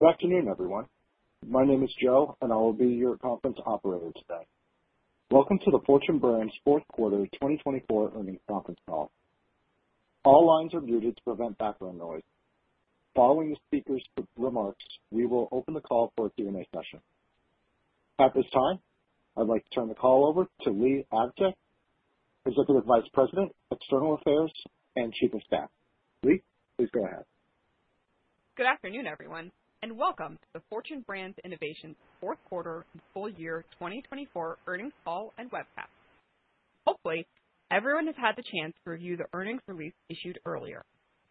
Good afternoon, everyone. My name is Joe, and I will be your conference operator today. Welcome to the Fortune Brands Fourth Quarter 2024 earnings conference call. All lines are muted to prevent background noise. Following the speaker's remarks, we will open the call for a Q&A session. At this time, I'd like to turn the call over to Leigh Avsec, Executive Vice President, External Affairs, and Chief of Staff. Leigh, please go ahead. Good afternoon, everyone, and welcome to the Fortune Brands Innovations Fourth Quarter and Full Year 2024 earnings call and webcast. Hopefully, everyone has had the chance to review the earnings release issued earlier.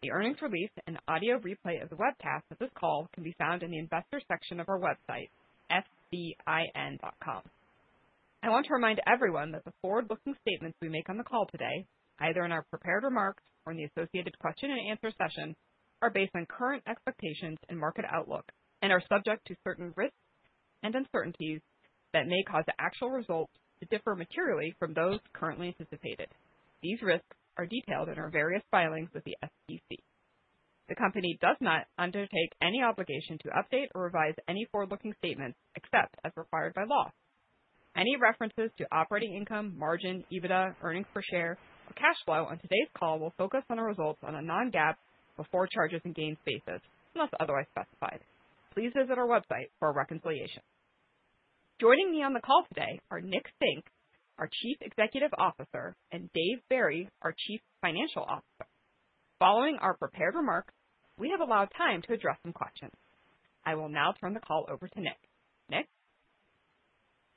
The earnings release and audio replay of the webcast of this call can be found in the investor section of our website, fbin.com. I want to remind everyone that the forward-looking statements we make on the call today, either in our prepared remarks or in the associated question-and-answer session, are based on current expectations and market outlook and are subject to certain risks and uncertainties that may cause the actual results to differ materially from those currently anticipated. These risks are detailed in our various filings with the SEC. The company does not undertake any obligation to update or revise any forward-looking statements except as required by law. Any references to operating income, margin, EBITDA, earnings per share, or cash flow on today's call will focus on the results on a non-GAAP before charges and gains basis, unless otherwise specified. Please visit our website for reconciliation. Joining me on the call today are Nicholas Fink, our Chief Executive Officer, and David Barry, our Chief Financial Officer. Following our prepared remarks, we have allowed time to address some questions. I will now turn the call over to Nicholas. Nicholas?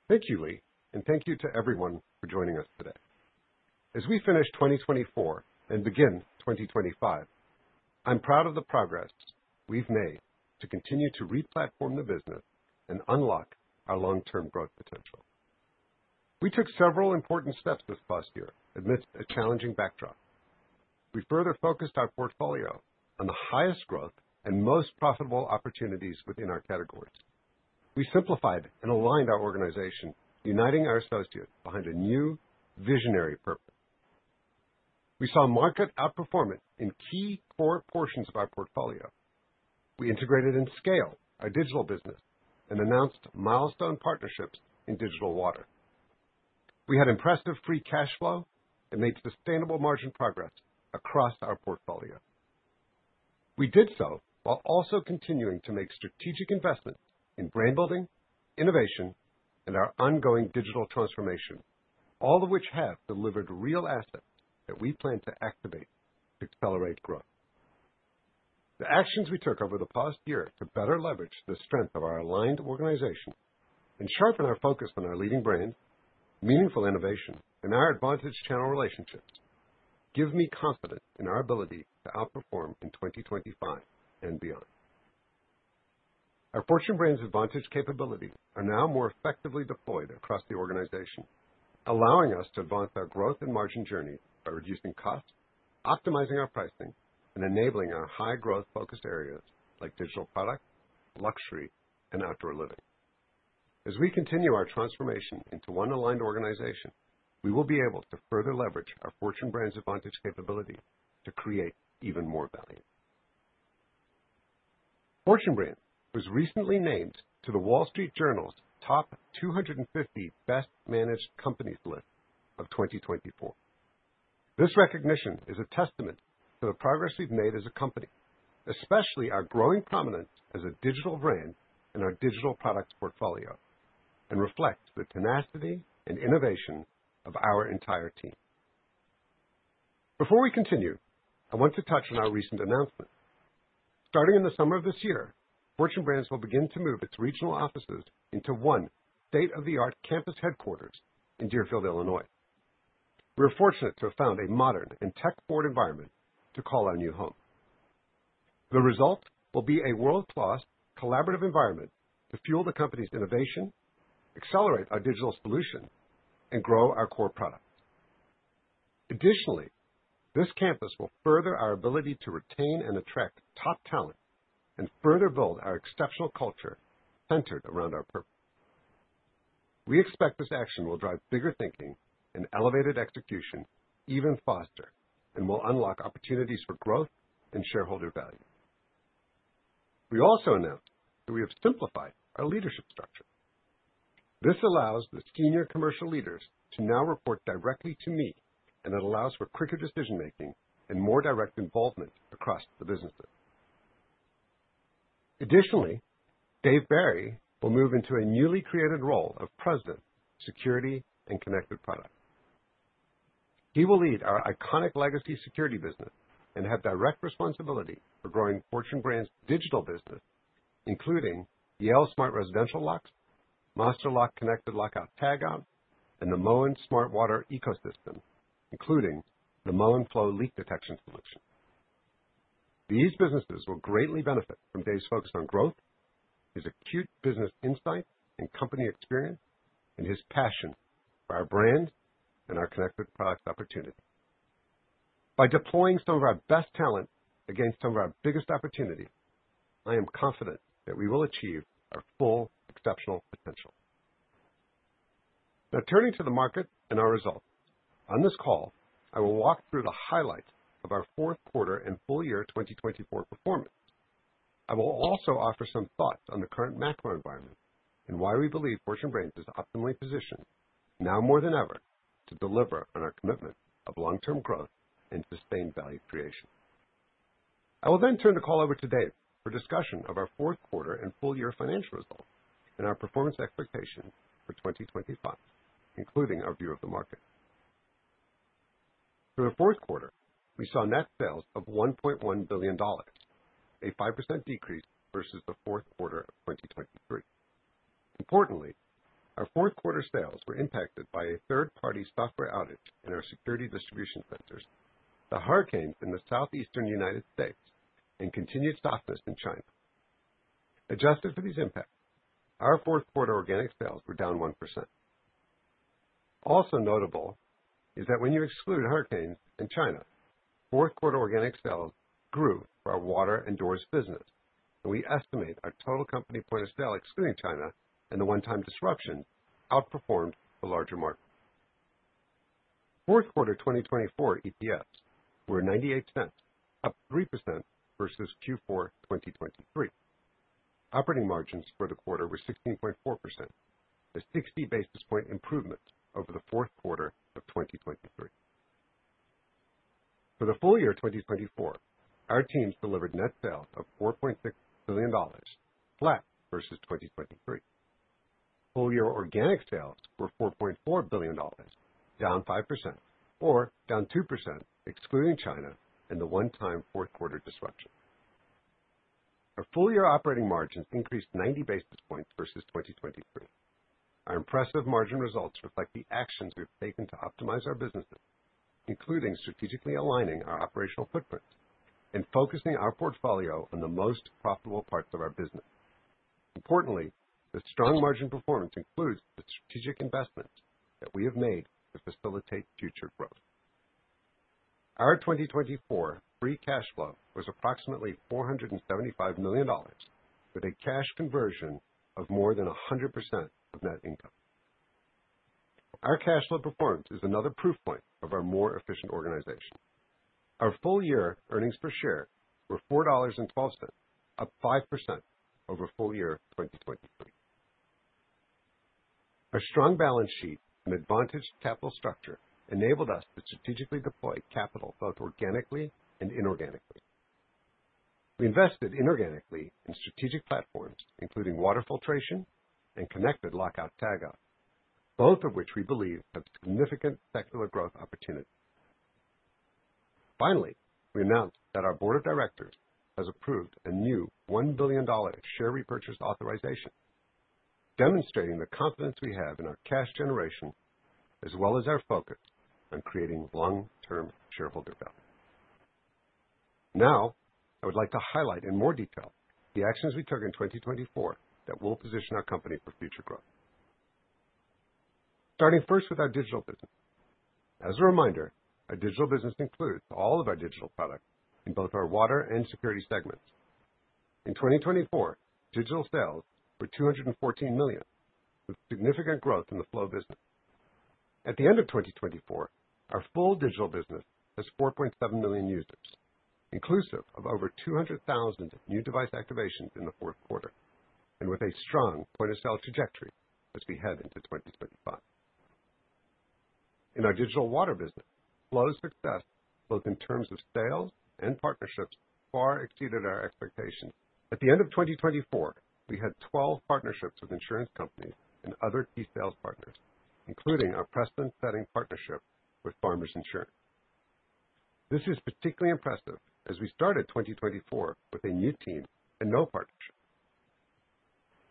Thank you, Leigh, and thank you to everyone for joining us today. As we finish 2024 and begin 2025, I'm proud of the progress we've made to continue to replatform the business and unlock our long-term growth potential. We took several important steps this past year amidst a challenging backdrop. We further focused our portfolio on the highest growth and most profitable opportunities within our categories. We simplified and aligned our organization, uniting our associates behind a new, visionary purpose. We saw market outperformance in key core portions of our portfolio. We integrated and scaled our digital business and announced milestone partnerships in digital water. We had impressive free cash flow and made sustainable margin progress across our portfolio. We did so while also continuing to make strategic investments in brand building, innovation, and our ongoing digital transformation, all of which have delivered real assets that we plan to activate to accelerate growth. The actions we took over the past year to better leverage the strength of our aligned organization and sharpen our focus on our leading brands, meaningful innovation, and our advantage channel relationships give me confidence in our ability to outperform in 2025 and beyond. Our Fortune Brands Advantage capabilities are now more effectively deployed across the organization, allowing us to advance our growth and margin journey by reducing costs, optimizing our pricing, and enabling our high-growth focus areas like digital products, luxury, and outdoor living. As we continue our transformation into one aligned organization, we will be able to further leverage our Fortune Brands Advantage capability to create even more value. Fortune Brands was recently named to The Wall Street Journal's Top 250 Best Managed Companies list of 2024. This recognition is a testament to the progress we've made as a company, especially our growing prominence as a digital brand and our digital products portfolio, and reflects the tenacity and innovation of our entire team. Before we continue, I want to touch on our recent announcement. Starting in the summer of this year, Fortune Brands will begin to move its regional offices into one state-of-the-art campus headquarters in Deerfield, Illinois. We are fortunate to have found a modern and tech-forward environment to call our new home. The result will be a world-class collaborative environment to fuel the company's innovation, accelerate our digital solutions, and grow our core products. Additionally, this campus will further our ability to retain and attract top talent and further build our exceptional culture centered around our purpose. We expect this action will drive bigger thinking and elevated execution even faster and will unlock opportunities for growth and shareholder value. We also announced that we have simplified our leadership structure. This allows the senior commercial leaders to now report directly to me, and it allows for quicker decision-making and more direct involvement across the businesses. Additionally, Dave Barry will move into a newly created role of President of Security and Connected Products. He will lead our iconic legacy security business and have direct responsibility for growing Fortune Brands digital business, including Yale Smart Residential Locks, Master Lock Connected Lockout Tagout, and the Moen Smart Water Ecosystem, including the Moen Flo Leak Detection Solution. These businesses will greatly benefit from Dave's focus on growth, his acute business insight and company experience, and his passion for our brand and our connected products opportunity. By deploying some of our best talent against some of our biggest opportunities, I am confident that we will achieve our full exceptional potential. Now, turning to the market and our results, on this call, I will walk through the highlights of our Fourth Quarter and Full Year 2024 performance. I will also offer some thoughts on the current macro environment and why we believe Fortune Brands is optimally positioned, now more than ever, to deliver on our commitment of long-term growth and sustained value creation. I will then turn the call over to Dave for discussion of our Fourth Quarter and Full Year financial results and our performance expectations for 2025, including our view of the market. For the Fourth Quarter, we saw net sales of $1.1 billion, a 5% decrease versus the Fourth Quarter of 2023. Importantly, our Fourth Quarter sales were impacted by a third-party software outage in our security distribution centers, the hurricanes in the Southeastern United States, and continued softness in China. Adjusted for these impacts, our Fourth Quarter organic sales were down 1%. Also notable is that when you exclude hurricanes and China, Fourth Quarter organic sales grew for our water and doors business, and we estimate our total company point of sale excluding China and the one-time disruption outperformed the larger market. Fourth Quarter 2024 EPS were $0.98, up 3% versus Q4 2023. Operating margins for the quarter were 16.4%, a 60 basis point improvement over the Fourth Quarter of 2023. For the full year 2024, our teams delivered net sales of $4.6 billion, flat versus 2023. Full year organic sales were $4.4 billion, down 5%, or down 2% excluding China and the one-time Fourth Quarter disruption. Our full year operating margins increased 90 basis points versus 2023. Our impressive margin results reflect the actions we've taken to optimize our businesses, including strategically aligning our operational footprints and focusing our portfolio on the most profitable parts of our business. Importantly, the strong margin performance includes the strategic investments that we have made to facilitate future growth. Our 2024 free cash flow was approximately $475 million, with a cash conversion of more than 100% of net income. Our cash flow performance is another proof point of our more efficient organization. Our full year earnings per share were $4.12, up 5% over full year 2023. Our strong balance sheet and advantaged capital structure enabled us to strategically deploy capital both organically and inorganically. We invested inorganically in strategic platforms, including water filtration and Connected Lockout Tagout, both of which we believe have significant secular growth opportunities. Finally, we announced that our board of directors has approved a new $1 billion share repurchase authorization, demonstrating the confidence we have in our cash generation as well as our focus on creating long-term shareholder value. Now, I would like to highlight in more detail the actions we took in 2024 that will position our company for future growth. Starting first with our digital business. As a reminder, our digital business includes all of our digital products in both our water and security segments. In 2024, digital sales were $214 million, with significant growth in the Flo business. At the end of 2024, our full digital business has 4.7 million users, inclusive of over 200,000 new device activations in the Fourth Quarter, and with a strong point of sale trajectory as we head into 2025. In our digital water business, Flo success, both in terms of sales and partnerships, far exceeded our expectations. At the end of 2024, we had 12 partnerships with insurance companies and other key sales partners, including our precedent-setting partnership with Farmers Insurance. This is particularly impressive as we started 2024 with a new team and no partnerships.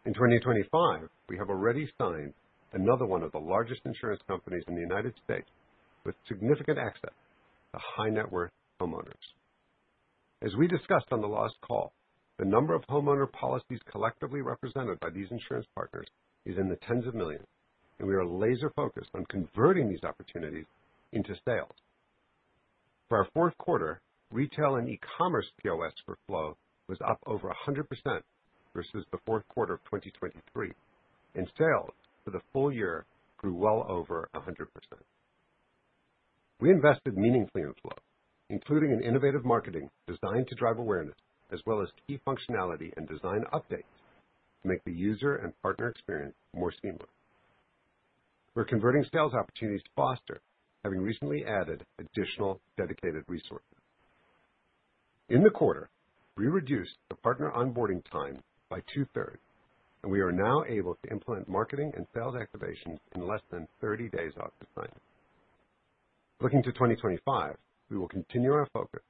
In 2025, we have already signed another one of the largest insurance companies in the United States with significant access to high-net-worth homeowners. As we discussed on the last call, the number of homeowner policies collectively represented by these insurance partners is in the tens of millions, and we are laser-focused on converting these opportunities into sales. For our Fourth Quarter, retail and e-commerce POS for Flo was up over 100% versus the Fourth Quarter of 2023, and sales for the full year grew well over 100%. We invested meaningfully in Flo, including in innovative marketing designed to drive awareness, as well as key functionality and design updates to make the user and partner experience more seamless. We're converting sales opportunities to orders, having recently added additional dedicated resources. In the quarter, we reduced the partner onboarding time by two-thirds, and we are now able to implement marketing and sales activations in less than 30 days from design. Looking to 2025, we will continue our focus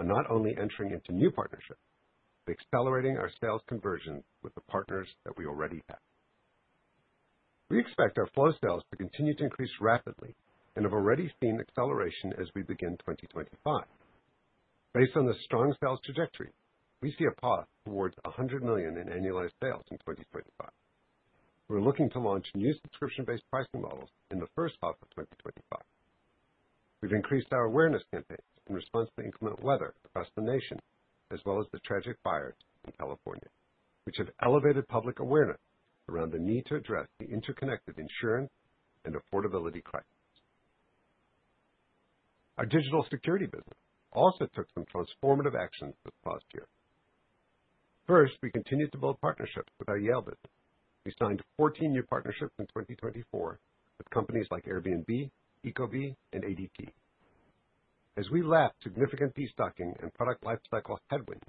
on not only entering into new partnerships, but accelerating our sales conversions with the partners that we already have. We expect our Flo sales to continue to increase rapidly and have already seen acceleration as we begin 2025. Based on the strong sales trajectory, we see a path towards $100 million in annualized sales in 2025. We're looking to launch new subscription-based pricing models in the first half of 2025. We've increased our awareness campaigns in response to inclement weather across the nation, as well as the tragic fires in California, which have elevated public awareness around the need to address the interconnected insurance and affordability crisis. Our digital security business also took some transformative actions this past year. First, we continued to build partnerships with our Yale business. We signed 14 new partnerships in 2024 with companies like Airbnb, Ecobee, and ADT. As we lapped significant pre-stocking and product lifecycle headwinds,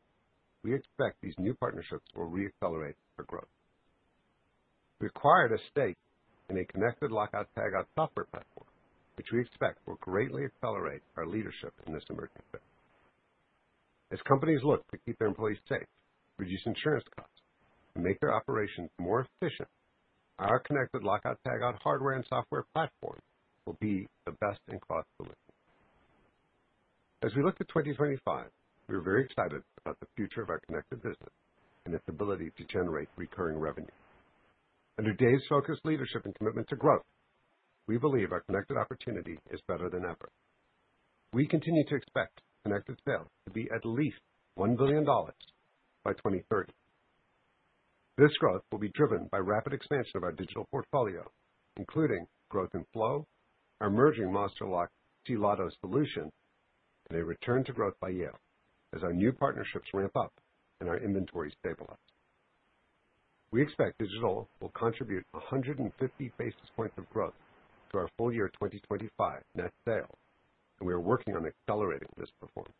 we expect these new partnerships will re-accelerate our growth. We acquired a stake in a Connected Lockout Tagout software platform, which we expect will greatly accelerate our leadership in this emerging sector. As companies look to keep their employees safe, reduce insurance costs, and make their operations more efficient, our Connected Lockout Tagout hardware and software platform will be the best-in-class solution. As we look to 2025, we are very excited about the future of our connected business and its ability to generate recurring revenue. Under Dave's focused leadership and commitment to growth, we believe our connected opportunity is better than ever. We continue to expect connected sales to be at least $1 billion by 2030. This growth will be driven by rapid expansion of our digital portfolio, including growth in flow, our emerging Master Lock LOTO solution, and a return to growth by Yale as our new partnerships ramp up and our inventory stabilize. We expect digital will contribute 150 basis points of growth to our full year 2025 net sales, and we are working on accelerating this performance.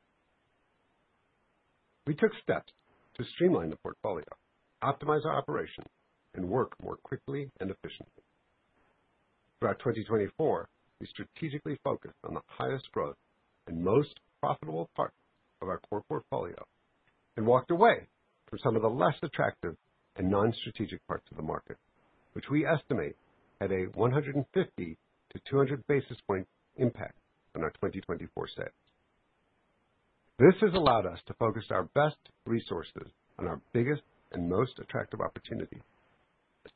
We took steps to streamline the portfolio, optimize our operations, and work more quickly and efficiently. Throughout 2024, we strategically focused on the highest growth and most profitable parts of our core portfolio and walked away from some of the less attractive and non-strategic parts of the market, which we estimate had a 150-200 basis points impact on our 2024 sales. This has allowed us to focus our best resources on our biggest and most attractive opportunity,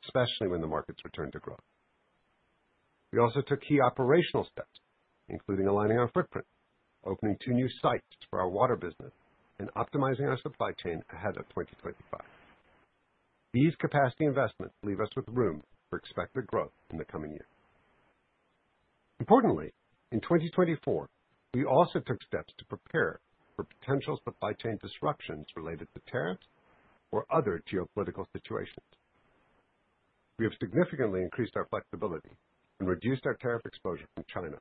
especially when the markets return to growth. We also took key operational steps, including aligning our footprint, opening two new sites for our water business, and optimizing our supply chain ahead of 2025. These capacity investments leave us with room for expected growth in the coming years. Importantly, in 2024, we also took steps to prepare for potential supply chain disruptions related to tariffs or other geopolitical situations. We have significantly increased our flexibility and reduced our tariff exposure from China,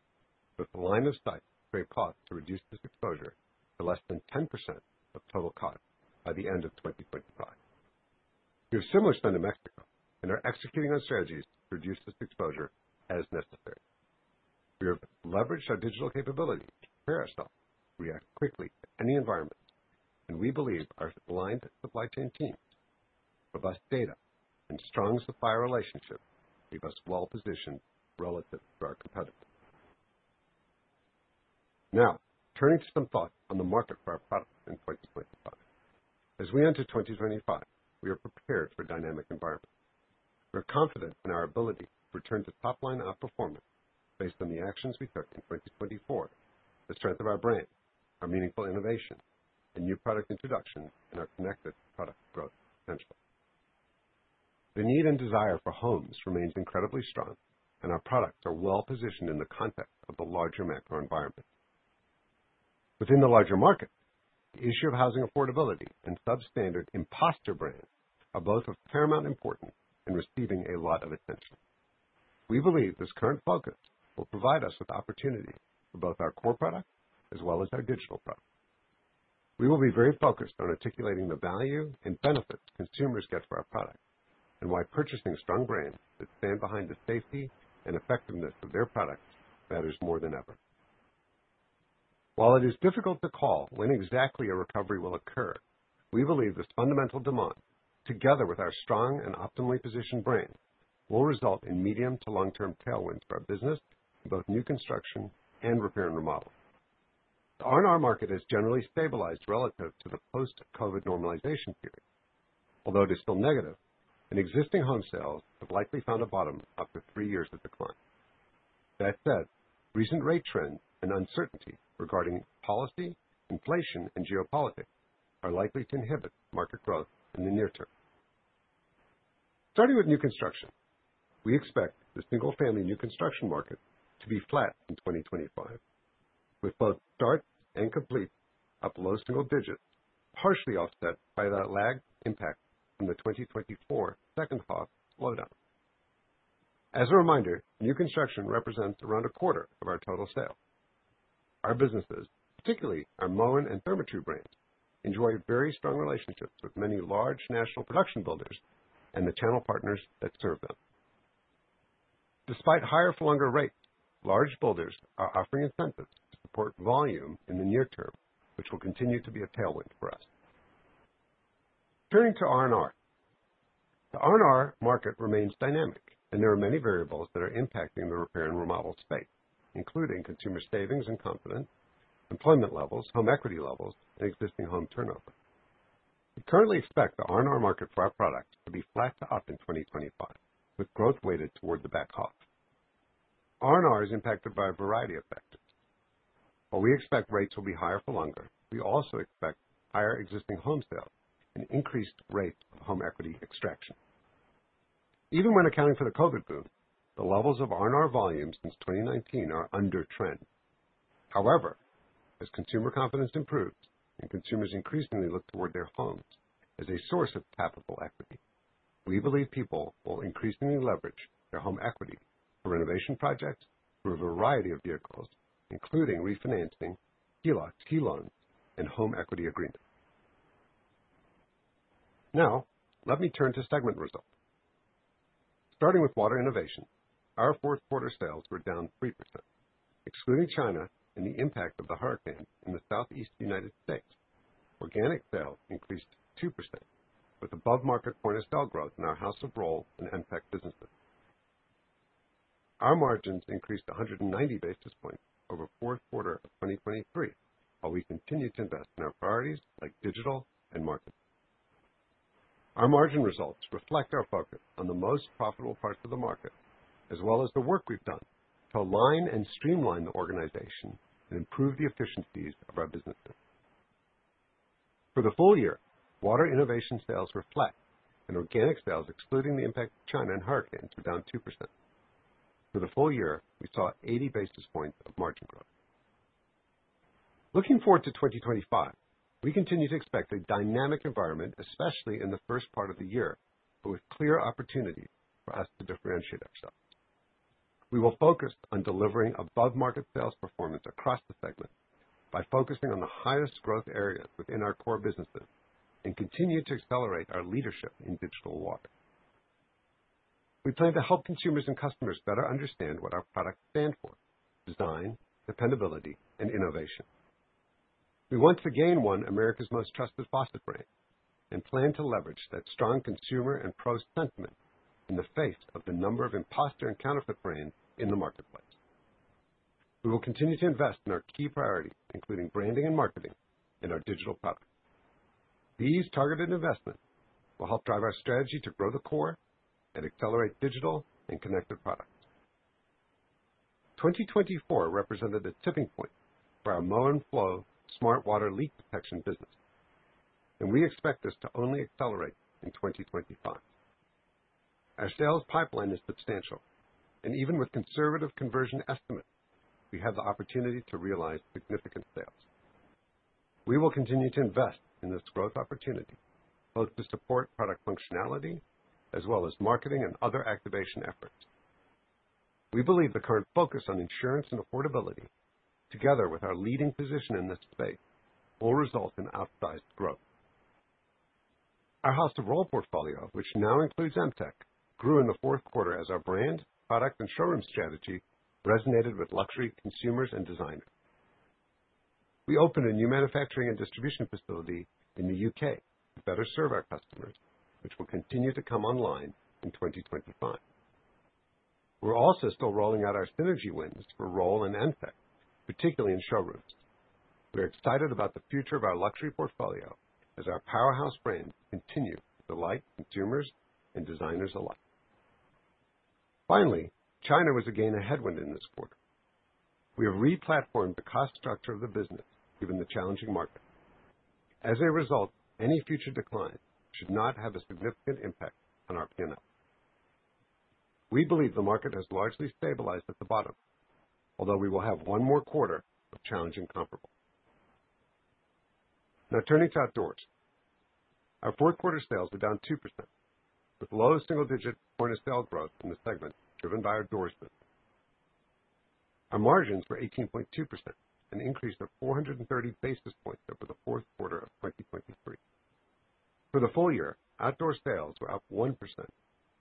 with the line of sight to a path to reduce this exposure to less than 10% of total cost by the end of 2025. We have similar spend in Mexico and are executing on strategies to reduce this exposure as necessary. We have leveraged our digital capability to prepare ourselves to react quickly to any environment, and we believe our aligned supply chain teams, robust data, and strong supplier relationships leave us well-positioned relative to our competitors. Now, turning to some thoughts on the market for our products in 2025. As we enter 2025, we are prepared for dynamic environments. We're confident in our ability to return to top-line outperformance based on the actions we took in 2024, the strength of our brand, our meaningful innovation, and new product introductions in our connected product growth potential. The need and desire for homes remains incredibly strong, and our products are well-positioned in the context of the larger macro environment. Within the larger market, the issue of housing affordability and substandard impostor brands are both of paramount importance in receiving a lot of attention. We believe this current focus will provide us with opportunities for both our core products as well as our digital products. We will be very focused on articulating the value and benefits consumers get for our products and why purchasing strong brands that stand behind the safety and effectiveness of their products matters more than ever. While it is difficult to call when exactly a recovery will occur, we believe this fundamental demand, together with our strong and optimally positioned brand, will result in medium to long-term tailwinds for our business in both new construction and repair and remodeling. The R&R market has generally stabilized relative to the post-COVID normalization period. Although it is still negative, existing home sales have likely found a bottom after three years of decline. That said, recent rate trends and uncertainty regarding policy, inflation, and geopolitics are likely to inhibit market growth in the near term. Starting with new construction, we expect the single-family new construction market to be flat in 2025, with both start and complete up low single digits, partially offset by the lagged impact from the 2024 second half slowdown. As a reminder, new construction represents around a quarter of our total sales. Our businesses, particularly our Moen and Therma-Tru brands, enjoy very strong relationships with many large national production builders and the channel partners that serve them. Despite higher for on the rate, large builders are offering incentives to support volume in the near term, which will continue to be a tailwind for us. Turning to R&R, the R&R market remains dynamic, and there are many variables that are impacting the repair and remodel space, including consumer savings and confidence, employment levels, home equity levels, and existing home turnover. We currently expect the R&R market for our products to be flat to up in 2025, with growth weighted toward the back half. R&R is impacted by a variety of factors. While we expect rates will be higher for longer, we also expect higher existing home sales and increased rates of home equity extraction. Even when accounting for the COVID boom, the levels of R&R volumes since 2019 are under trend. However, as consumer confidence improves and consumers increasingly look toward their homes as a source of capital equity, we believe people will increasingly leverage their home equity for renovation projects through a variety of vehicles, including refinancing, HELOCs, cash-out loans, and home equity agreements. Now, let me turn to segment results. Starting with Water Innovations, our fourth quarter sales were down 3%. Excluding China and the impact of the hurricane in the Southeastern United States, organic sales increased 2%, with above-market point of sale growth in our House of Rohl and Moen businesses. Our margins increased 190 basis points over fourth quarter of 2023, while we continue to invest in our priorities like digital and marketing. Our margin results reflect our focus on the most profitable parts of the market, as well as the work we've done to align and streamline the organization and improve the efficiencies of our businesses. For the full year, water innovation sales were flat, and organic sales, excluding the impact of China and hurricanes, were down 2%. For the full year, we saw 80 basis points of margin growth. Looking forward to 2025, we continue to expect a dynamic environment, especially in the first part of the year, but with clear opportunities for us to differentiate ourselves. We will focus on delivering above-market sales performance across the segment by focusing on the highest growth areas within our core businesses and continue to accelerate our leadership in digital water. We plan to help consumers and customers better understand what our products stand for: design, dependability, and innovation. We want to gain one of America's most trusted faucet brands and plan to leverage that strong consumer and pro sentiment in the face of the number of impostor and counterfeit brands in the marketplace. We will continue to invest in our key priorities, including branding and marketing in our digital products. These targeted investments will help drive our strategy to grow the core and accelerate digital and connected products. 2024 represented a tipping point for our Moen Flo smart water leak protection business, and we expect this to only accelerate in 2025. Our sales pipeline is substantial, and even with conservative conversion estimates, we have the opportunity to realize significant sales. We will continue to invest in this growth opportunity, both to support product functionality as well as marketing and other activation efforts. We believe the current focus on insurance and affordability, together with our leading position in this space, will result in outsized growth. Our House of Rohl portfolio, which now includes MTEC, grew in the fourth quarter as our brand, product, and showroom strategy resonated with luxury consumers and designers. We opened a new manufacturing and distribution facility in the U.K. to better serve our customers, which will continue to come online in 2025. We're also still rolling out our synergy wins for Rohl and Emtek, particularly in showrooms. We're excited about the future of our luxury portfolio as our powerhouse brands continue to delight consumers and designers alike. Finally, China was again a headwind in this quarter. We have re-platformed the cost structure of the business given the challenging market. As a result, any future decline should not have a significant impact on our P&L. We believe the market has largely stabilized at the bottom, although we will have one more quarter of challenging comparables. Now, turning to outdoors, our Fourth Quarter sales were down 2%, with low single-digit point of sale growth in the segment driven by our doors. Our margins were 18.2% and increased to 430 basis points over the Fourth Quarter of 2023. For the full year, outdoor sales were up 1%,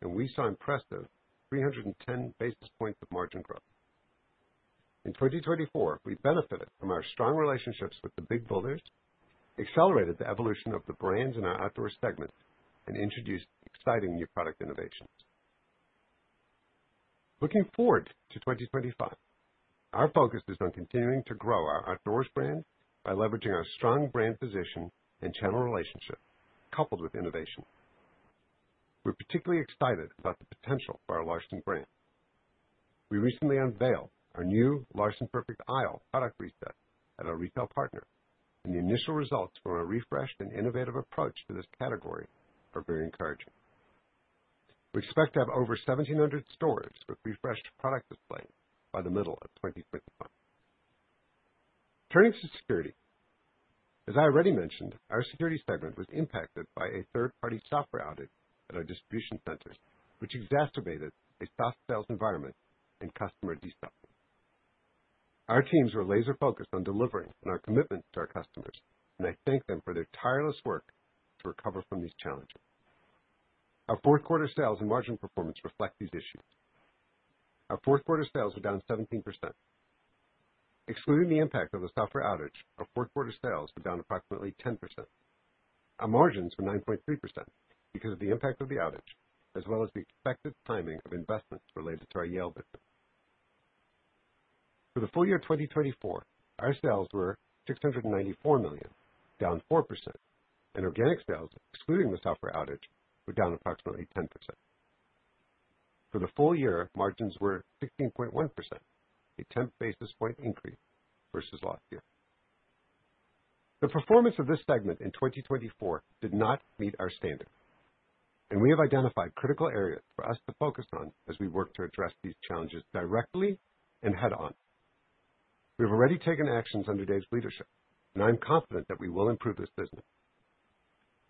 and we saw impressive 310 basis points of margin growth. In 2024, we benefited from our strong relationships with the big builders, accelerated the evolution of the brands in our outdoor segment, and introduced exciting new product innovations. Looking forward to 2025, our focus is on continuing to grow our outdoors brand by leveraging our strong brand position and channel relationship, coupled with innovation. We're particularly excited about the potential for our Larson brand. We recently unveiled our new Larson Perfect Aisle product reset at our retail partner, and the initial results from a refreshed and innovative approach to this category are very encouraging. We expect to have over 1,700 stores with refreshed product displays by the middle of 2025. Turning to security, as I already mentioned, our security segment was impacted by a third-party software outage at our distribution centers, which exacerbated a soft sales environment and customer destocking. Our teams were laser-focused on delivering on our commitment to our customers, and I thank them for their tireless work to recover from these challenges. Our Fourth Quarter sales and margin performance reflect these issues. Our Fourth Quarter sales were down 17%. Excluding the impact of the software outage, our Fourth Quarter sales were down approximately 10%. Our margins were 9.3% because of the impact of the outage, as well as the expected timing of investments related to our Yale business. For the full year 2024, our sales were $694 million, down 4%, and organic sales, excluding the software outage, were down approximately 10%. For the full year, margins were 16.1%, a 10 basis point increase versus last year. The performance of this segment in 2024 did not meet our standards, and we have identified critical areas for us to focus on as we work to address these challenges directly and head-on. We have already taken actions under Dave's leadership, and I'm confident that we will improve this business.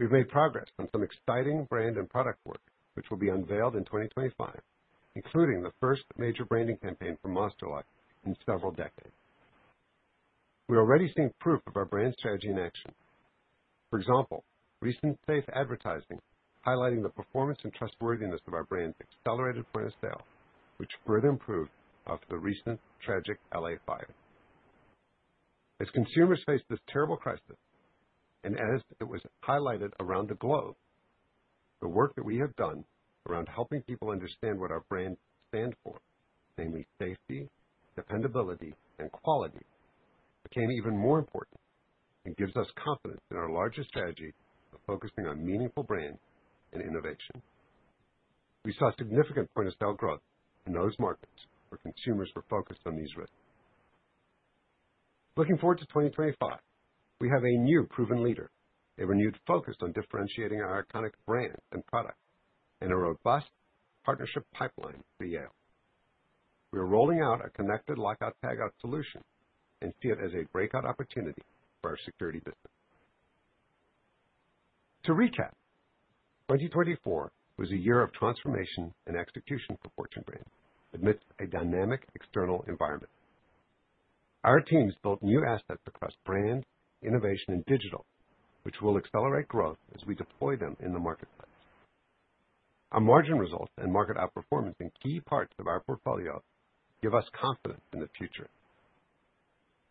We've made progress on some exciting brand and product work, which will be unveiled in 2025, including the first major branding campaign for Master Lock in several decades. We're already seeing proof of our brand strategy in action. For example, recent SentrySafe advertising highlighting the performance and trustworthiness of our brand's accelerated point of sale, which further improved after the recent tragic L.A. fire. As consumers face this terrible crisis, and as it was highlighted around the globe, the work that we have done around helping people understand what our brands stand for, namely safety, dependability, and quality, became even more important and gives us confidence in our larger strategy of focusing on meaningful brands and innovation. We saw significant point of sale growth in those markets where consumers were focused on these risks. Looking forward to 2025, we have a new proven leader, a renewed focus on differentiating our iconic brand and product, and a robust partnership pipeline for Yale. We are rolling out a connected lockout/tagout solution and see it as a breakout opportunity for our security business. To recap, 2024 was a year of transformation and execution for Fortune Brands, amidst a dynamic external environment. Our teams built new assets across brands, innovation, and digital, which will accelerate growth as we deploy them in the marketplace. Our margin results and market outperformance in key parts of our portfolio give us confidence in the future.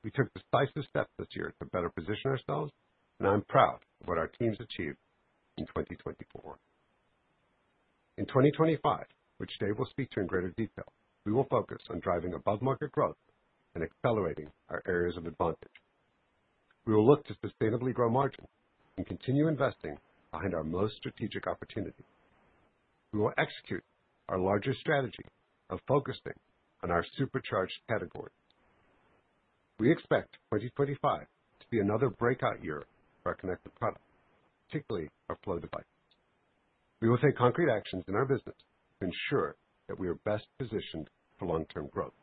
We took decisive steps this year to better position ourselves, and I'm proud of what our teams achieved in 2024. In 2025, which Dave will speak to in greater detail, we will focus on driving above-market growth and accelerating our areas of advantage. We will look to sustainably grow margins and continue investing behind our most strategic opportunities. We will execute our larger strategy of focusing on our supercharged categories. We expect 2025 to be another breakout year for our connected products, particularly our flow devices. We will take concrete actions in our business to ensure that we are best positioned for long-term growth.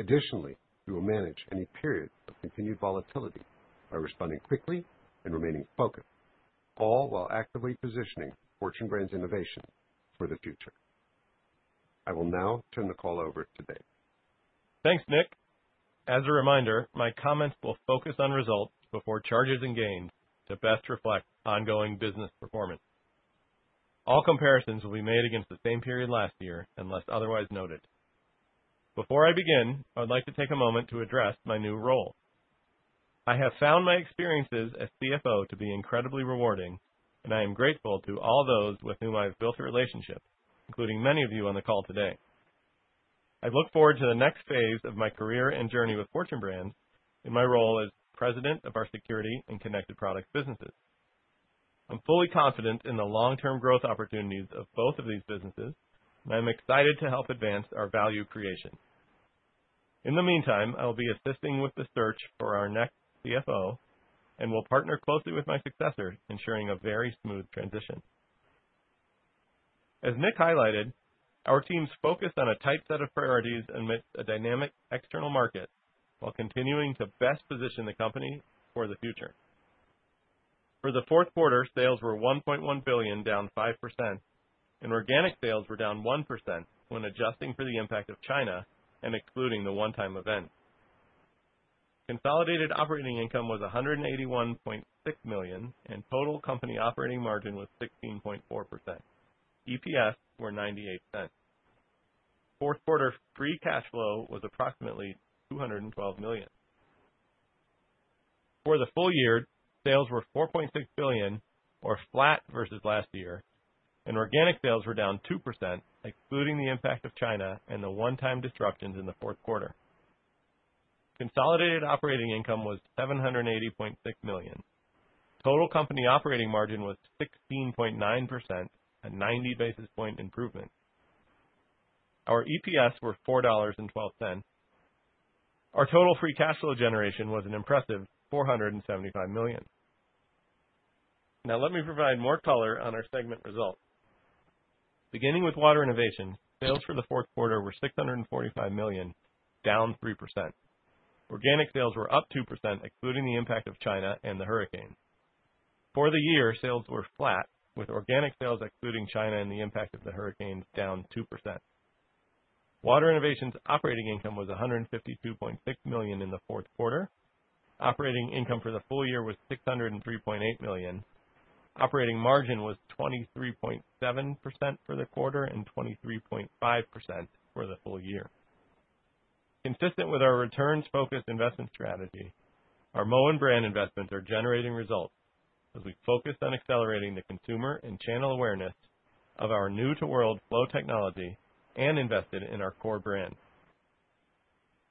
Additionally, we will manage any period of continued volatility by responding quickly and remaining focused, all while actively positioning Fortune Brands Innovations for the future. I will now turn the call over to David. Thanks, Nicholas. As a reminder, my comments will focus on results before charges and gains to best reflect ongoing business performance. All comparisons will be made against the same period last year unless otherwise noted. Before I begin, I would like to take a moment to address my new role. I have found my experiences as CFO to be incredibly rewarding, and I am grateful to all those with whom I've built a relationship, including many of you on the call today. I look forward to the next phase of my career and journey with Fortune Brands in my role as president of our security and connected products businesses. I'm fully confident in the long-term growth opportunities of both of these businesses, and I'm excited to help advance our value creation. In the meantime, I will be assisting with the search for our next CFO and will partner closely with my successor, ensuring a very smooth transition. As Nicholas highlighted, our teams focus on a tight set of priorities amidst a dynamic external market while continuing to best position the company for the future. For the Fourth Quarter, sales were $1.1 billion, down 5%, and organic sales were down 1% when adjusting for the impact of China and excluding the one-time event. Consolidated operating income was $181.6 million, and total company operating margin was 16.4%. EPS were $0.98. Fourth Quarter free cash flow was approximately $212 million. For the full year, sales were $4.6 billion, or flat versus last year, and organic sales were down 2%, excluding the impact of China and the one-time disruptions in the fourth quarter. Consolidated operating income was $780.6 million. Total company operating margin was 16.9%, a 90 basis points improvement. Our EPS were $4.12. Our total free cash flow generation was an impressive $475 million. Now, let me provide more color on our segment results. Beginning with Water Innovations, sales for the fourth quarter were $645 million, down 3%. Organic sales were up 2%, excluding the impact of China and the hurricane. For the year, sales were flat, with organic sales excluding China and the impact of the hurricane down 2%. Water Innovations operating income was $152.6 million in the fourth quarter. Operating income for the full year was $603.8 million. Operating margin was 23.7% for the quarter and 23.5% for the full year. Consistent with our returns-focused investment strategy, our Moen brand investments are generating results as we focus on accelerating the consumer and channel awareness of our new-to-world Flo technology and invested in our core brand.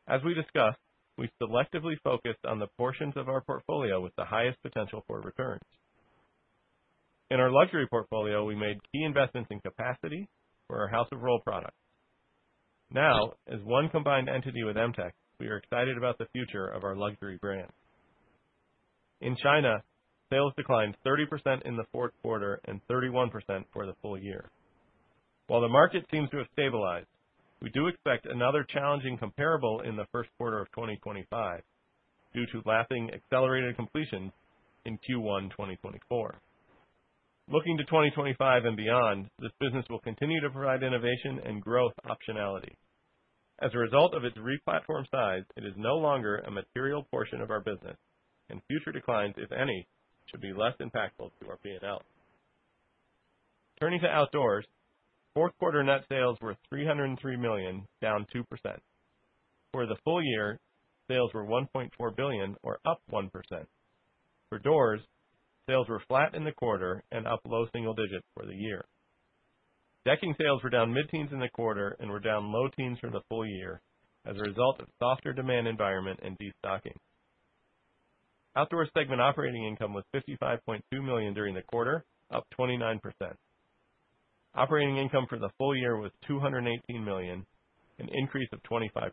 As we discussed, we selectively focused on the portions of our portfolio with the highest potential for returns. In our luxury portfolio, we made key investments in capacity for our House of Rohl products. Now, as one combined entity with Emtek, we are excited about the future of our luxury brand. In China, sales declined 30% in the Fourth Quarter and 31% for the full year. While the market seems to have stabilized, we do expect another challenging comparable in the First Quarter of 2025 due to last year's accelerated completions in Q1 2024. Looking to 2025 and beyond, this business will continue to provide innovation and growth optionality. As a result of its re-platform size, it is no longer a material portion of our business, and future declines, if any, should be less impactful to our P&L. Turning to Outdoors, fourth quarter net sales were $303 million, down 2%. For the full year, sales were $1.4 billion, or up 1%. For doors, sales were flat in the quarter and up low single digits for the year. Decking sales were down mid-teens in the quarter and were down low teens for the full year as a result of softer demand environment and de-stocking. Outdoors segment operating income was $55.2 million during the quarter, up 29%. Operating income for the full year was $218 million, an increase of 25%.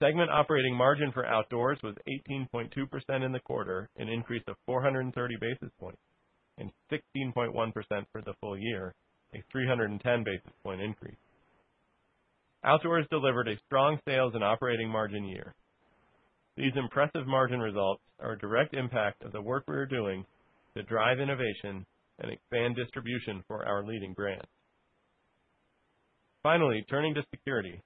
Segment operating margin for Outdoors was 18.2% in the quarter, an increase of 430 basis points, and 16.1% for the full year, a 310 basis point increase. Outdoors delivered a strong sales and operating margin year. These impressive margin results are a direct impact of the work we are doing to drive innovation and expand distribution for our leading brands. Finally, turning to Security.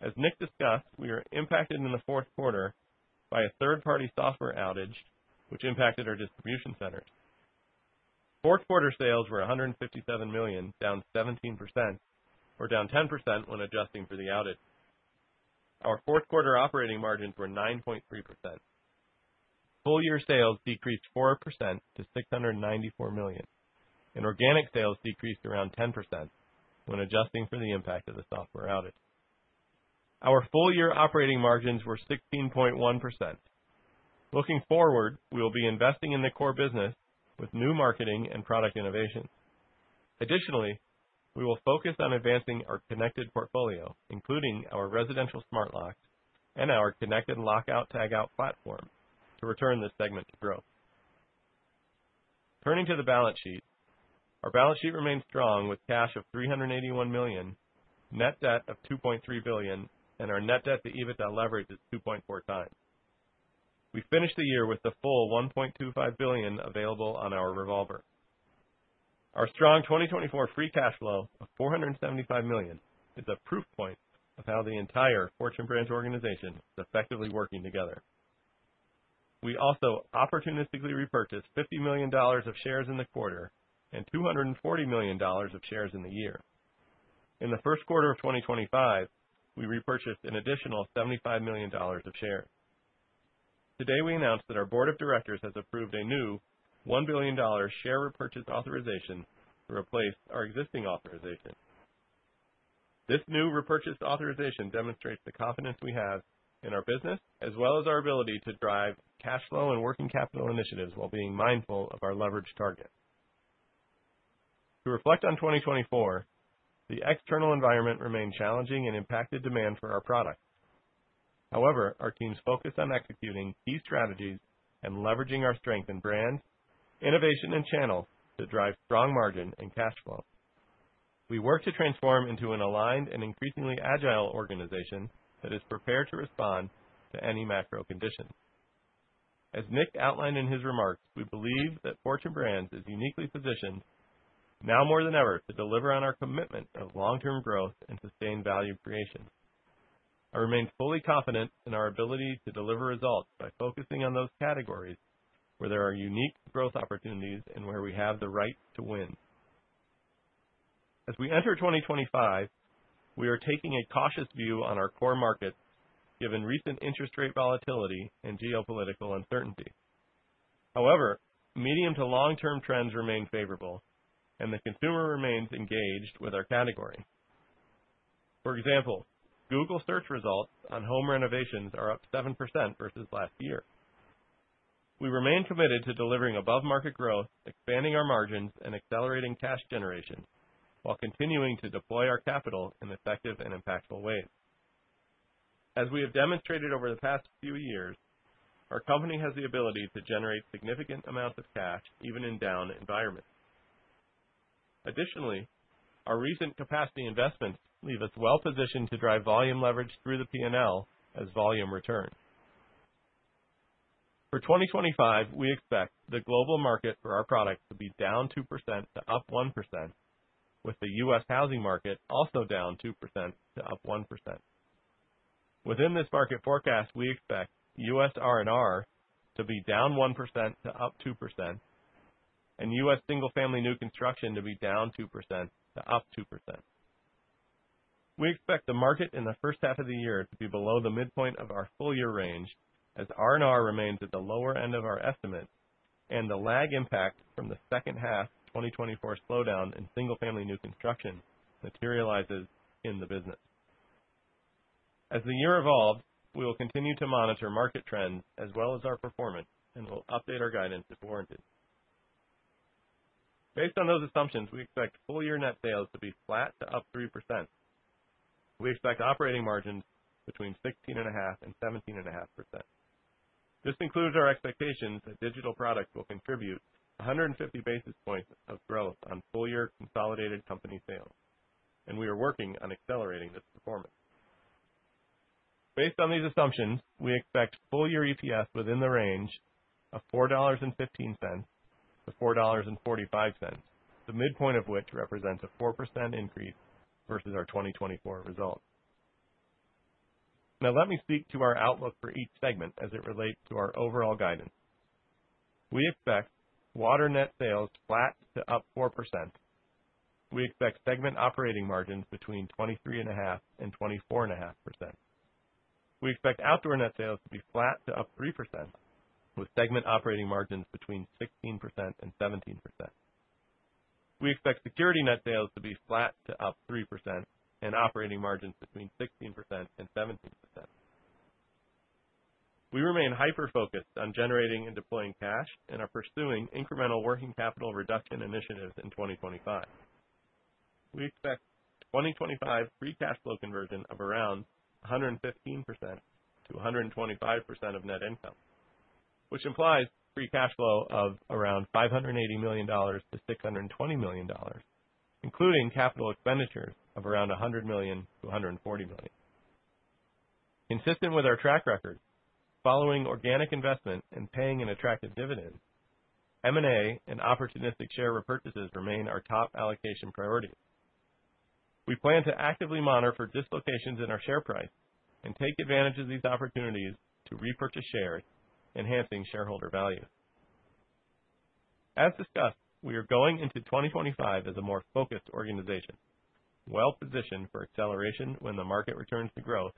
As Nick discussed, we were impacted in the Fourth Quarter by a third-party software outage, which impacted our distribution centers. Fourth Quarter sales were $157 million, down 17%, or down 10% when adjusting for the outage. Our Fourth Quarter operating margins were 9.3%. Full year sales decreased 4% to $694 million, and organic sales decreased around 10% when adjusting for the impact of the software outage. Our full year operating margins were 16.1%. Looking forward, we will be investing in the core business with new marketing and product innovations. Additionally, we will focus on advancing our connected portfolio, including our residential smart locks and our connected lockout/tagout platform, to return this segment to growth. Turning to the balance sheet, our balance sheet remains strong with cash of $381 million, net debt of $2.3 billion, and our net debt to EBITDA leverage is 2.4 times. We finished the year with the full $1.25 billion available on our revolver. Our strong 2024 free cash flow of $475 million is a proof point of how the entire Fortune Brands organization is effectively working together. We also opportunistically repurchased $50 million of shares in the quarter and $240 million of shares in the year. In the First Quarter of 2025, we repurchased an additional $75 million of shares. Today, we announced that our Board of Directors has approved a new $1 billion share repurchase authorization to replace our existing authorization. This new repurchase authorization demonstrates the confidence we have in our business, as well as our ability to drive cash flow and working capital initiatives while being mindful of our leverage target. To reflect on 2024, the external environment remained challenging and impacted demand for our products. However, our teams focused on executing key strategies and leveraging our strength in brand, innovation, and channels to drive strong margin and cash flow. We work to transform into an aligned and increasingly agile organization that is prepared to respond to any macro conditions. As Nick outlined in his remarks, we believe that Fortune Brands is uniquely positioned, now more than ever, to deliver on our commitment of long-term growth and sustained value creation. I remain fully confident in our ability to deliver results by focusing on those categories where there are unique growth opportunities and where we have the right to win. As we enter 2025, we are taking a cautious view on our core markets, given recent interest rate volatility and geopolitical uncertainty. However, medium to long-term trends remain favorable, and the consumer remains engaged with our category. For example, Google search results on home renovations are up 7% versus last year. We remain committed to delivering above-market growth, expanding our margins, and accelerating cash generation while continuing to deploy our capital in effective and impactful ways. As we have demonstrated over the past few years, our company has the ability to generate significant amounts of cash, even in down environments. Additionally, our recent capacity investments leave us well-positioned to drive volume leverage through the P&L as volume returns. For 2025, we expect the global market for our products to be down 2% to up 1%, with the U.S. housing market also down 2% to up 1%. Within this market forecast, we expect U.S. R&R to be down 1% to up 2%, and U.S. single-family new construction to be down 2% to up 2%. We expect the market in the first half of the year to be below the midpoint of our full year range as R&R remains at the lower end of our estimates and the lag impact from the second half 2024 slowdown in single-family new construction materializes in the business. As the year evolves, we will continue to monitor market trends as well as our performance and will update our guidance if warranted. Based on those assumptions, we expect full-year net sales to be flat to up 3%. We expect operating margins between 16.5% and 17.5%. This includes our expectations that digital products will contribute 150 basis points of growth on full-year consolidated company sales, and we are working on accelerating this performance. Based on these assumptions, we expect full-year EPS within the range of $4.15 to $4.45, the midpoint of which represents a 4% increase versus our 2024 results. Now, let me speak to our outlook for each segment as it relates to our overall guidance. We expect water net sales flat to up 4%. We expect segment operating margins between 23.5% and 24.5%. We expect outdoor net sales to be flat to up 3%, with segment operating margins between 16% and 17%. We expect security net sales to be flat to up 3% and operating margins between 16% and 17%. We remain hyper-focused on generating and deploying cash and are pursuing incremental working capital reduction initiatives in 2025. We expect 2025 free cash flow conversion of around 115%-125% of net income, which implies free cash flow of around $580 million-$620 million, including capital expenditures of around $100 million-$140 million. Consistent with our track record, following organic investment and paying an attractive dividend, M&A and opportunistic share repurchases remain our top allocation priorities. We plan to actively monitor for dislocations in our share price and take advantage of these opportunities to repurchase shares, enhancing shareholder value. As discussed, we are going into 2025 as a more focused organization, well-positioned for acceleration when the market returns to growth,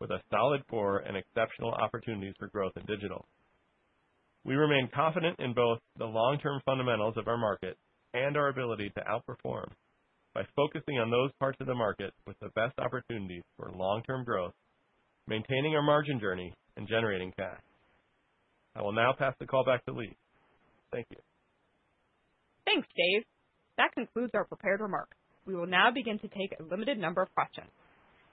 with a solid core and exceptional opportunities for growth in digital. We remain confident in both the long-term fundamentals of our market and our ability to outperform by focusing on those parts of the market with the best opportunities for long-term growth, maintaining our margin journey, and generating cash. I will now pass the call back to Leigh. Thank you. Thanks, Dave. That concludes our prepared remarks. We will now begin to take a limited number of questions.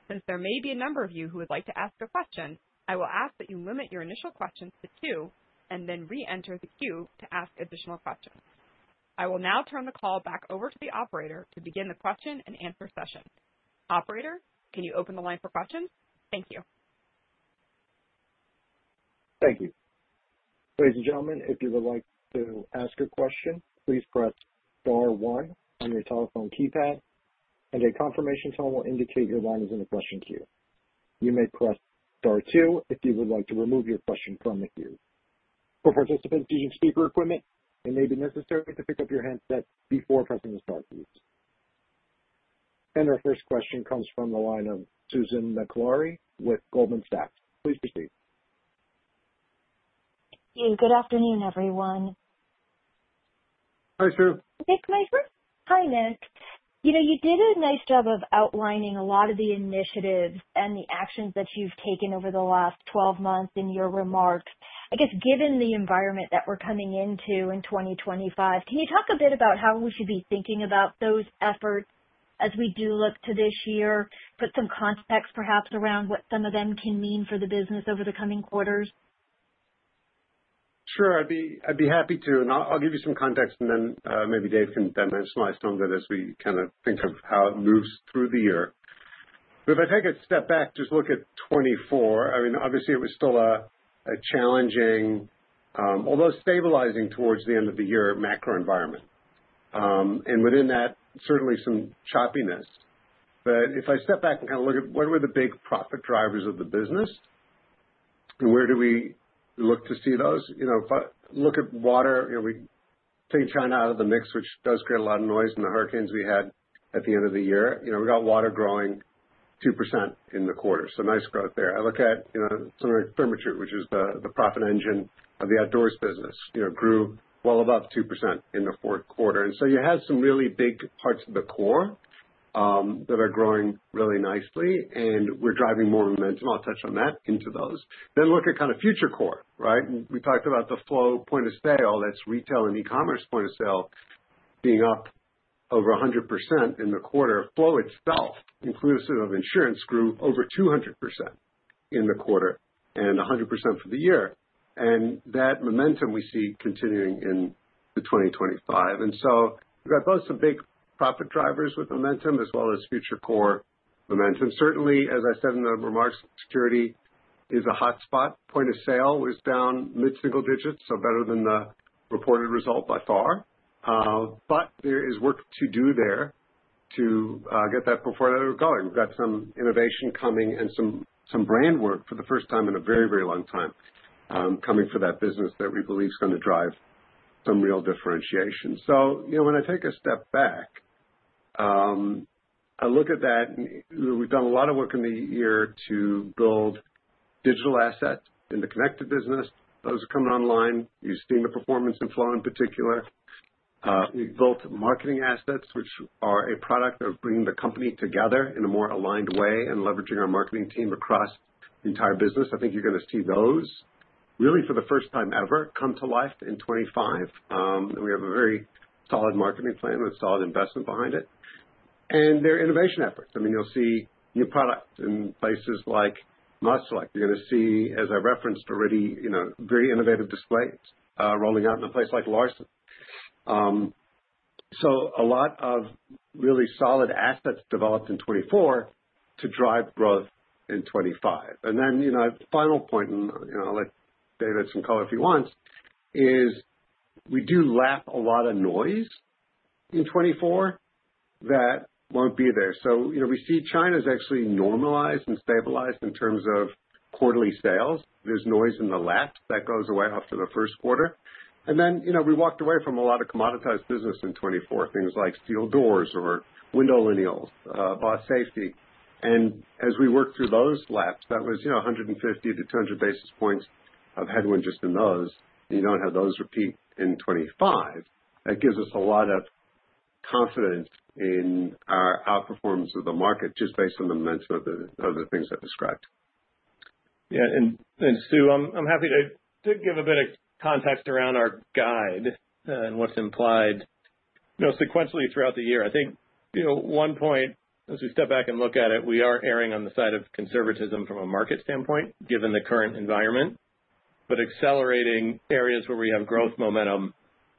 Since there may be a number of you who would like to ask a question, I will ask that you limit your initial questions to two and then re-enter the queue to ask additional questions. I will now turn the call back over to the operator to begin the question and answer session. Operator, can you open the line for questions? Thank you. Thank you. Ladies and gentlemen, if you would like to ask a question, please press star one on your telephone keypad, and a confirmation tone will indicate your line is in the question queue. You may press star two if you would like to remove your question from the queue. For participants using speaker equipment, it may be necessary to pick up your handset before pressing the star two. And our first question comes from the line of Susan Maklari with Goldman Sachs. Please proceed. Good afternoon, everyone. Hi, Susan Hi, Nicholas. You did a nice job of outlining a lot of the initiatives and the actions that you've taken over the last 12 months in your remarks. I guess, given the environment that we're coming into in 2025, can you talk a bit about how we should be thinking about those efforts as we do look to this year, put some context perhaps around what some of them can mean for the business over the coming quarters? Sure. I'd be happy to, and I'll give you some context, and then maybe Dave can dimensionize some of it as we kind of think of how it moves through the year, but if I take a step back, just look at 2024. I mean, obviously, it was still a challenging, although stabilizing towards the end of the year, macro environment, and within that, certainly some choppiness, but if I step back and kind of look at what were the big profit drivers of the business, and where do we look to see those? Look at water. We take China out of the mix, which does create a lot of noise, in the hurricanes we had at the end of the year. We got water growing 2% in the quarter, so nice growth there. I look at something like Furniture, which is the profit engine of the outdoors business, grew well above 2% in the fourth quarter. And so you have some really big parts of the core that are growing really nicely, and we're driving more momentum. I'll touch on that into those. Then look at kind of future core, right? We talked about the Flo point of sale, that's retail and e-commerce point of sale, being up over 100% in the quarter. Flo itself, inclusive of insurance, grew over 200% in the quarter and 100% for the year. And that momentum we see continuing in the 2025. And so we've got both some big profit drivers with momentum as well as future core momentum. Certainly, as I said in the remarks, security is a hotspot. Point of sale was down mid-single digits, so better than the reported result by far. But there is work to do there to get that performance going. We've got some innovation coming and some brand work for the first time in a very, very long time coming for that business that we believe is going to drive some real differentiation. So when I take a step back, I look at that. We've done a lot of work in the year to build digital assets in the connected business. Those are coming online. You've seen the performance and Flo in particular. We've built marketing assets, which are a product of bringing the company together in a more aligned way and leveraging our marketing team across the entire business. I think you're going to see those really for the first time ever come to life in 2025. And we have a very solid marketing plan with solid investment behind it. And there are innovation efforts. I mean, you'll see new products in places like Menards. You're going to see, as I referenced already, very innovative displays rolling out in a place like Larson. So a lot of really solid assets developed in 2024 to drive growth in 2025. And then a final point, and I'll let David add some color if he wants, is we lapped a lot of noise in 2024 that won't be there. So we see China has actually normalized and stabilized in terms of quarterly sales. There's noise in the lap that goes away after the first quarter. And then we walked away from a lot of commoditized business in 2024, things like steel doors or window lineals, Bath Safety. And as we work through those laps, that was 150 to 200 basis points of headwind just in those. You don't have those repeat in 2025. That gives us a lot of confidence in our outperformance of the market just based on the momentum of the things I've described. Yeah. And Susan, I'm happy to give a bit of context around our guide and what's implied sequentially throughout the year. I think one point, as we step back and look at it, we are erring on the side of conservatism from a market standpoint, given the current environment, but accelerating areas where we have growth momentum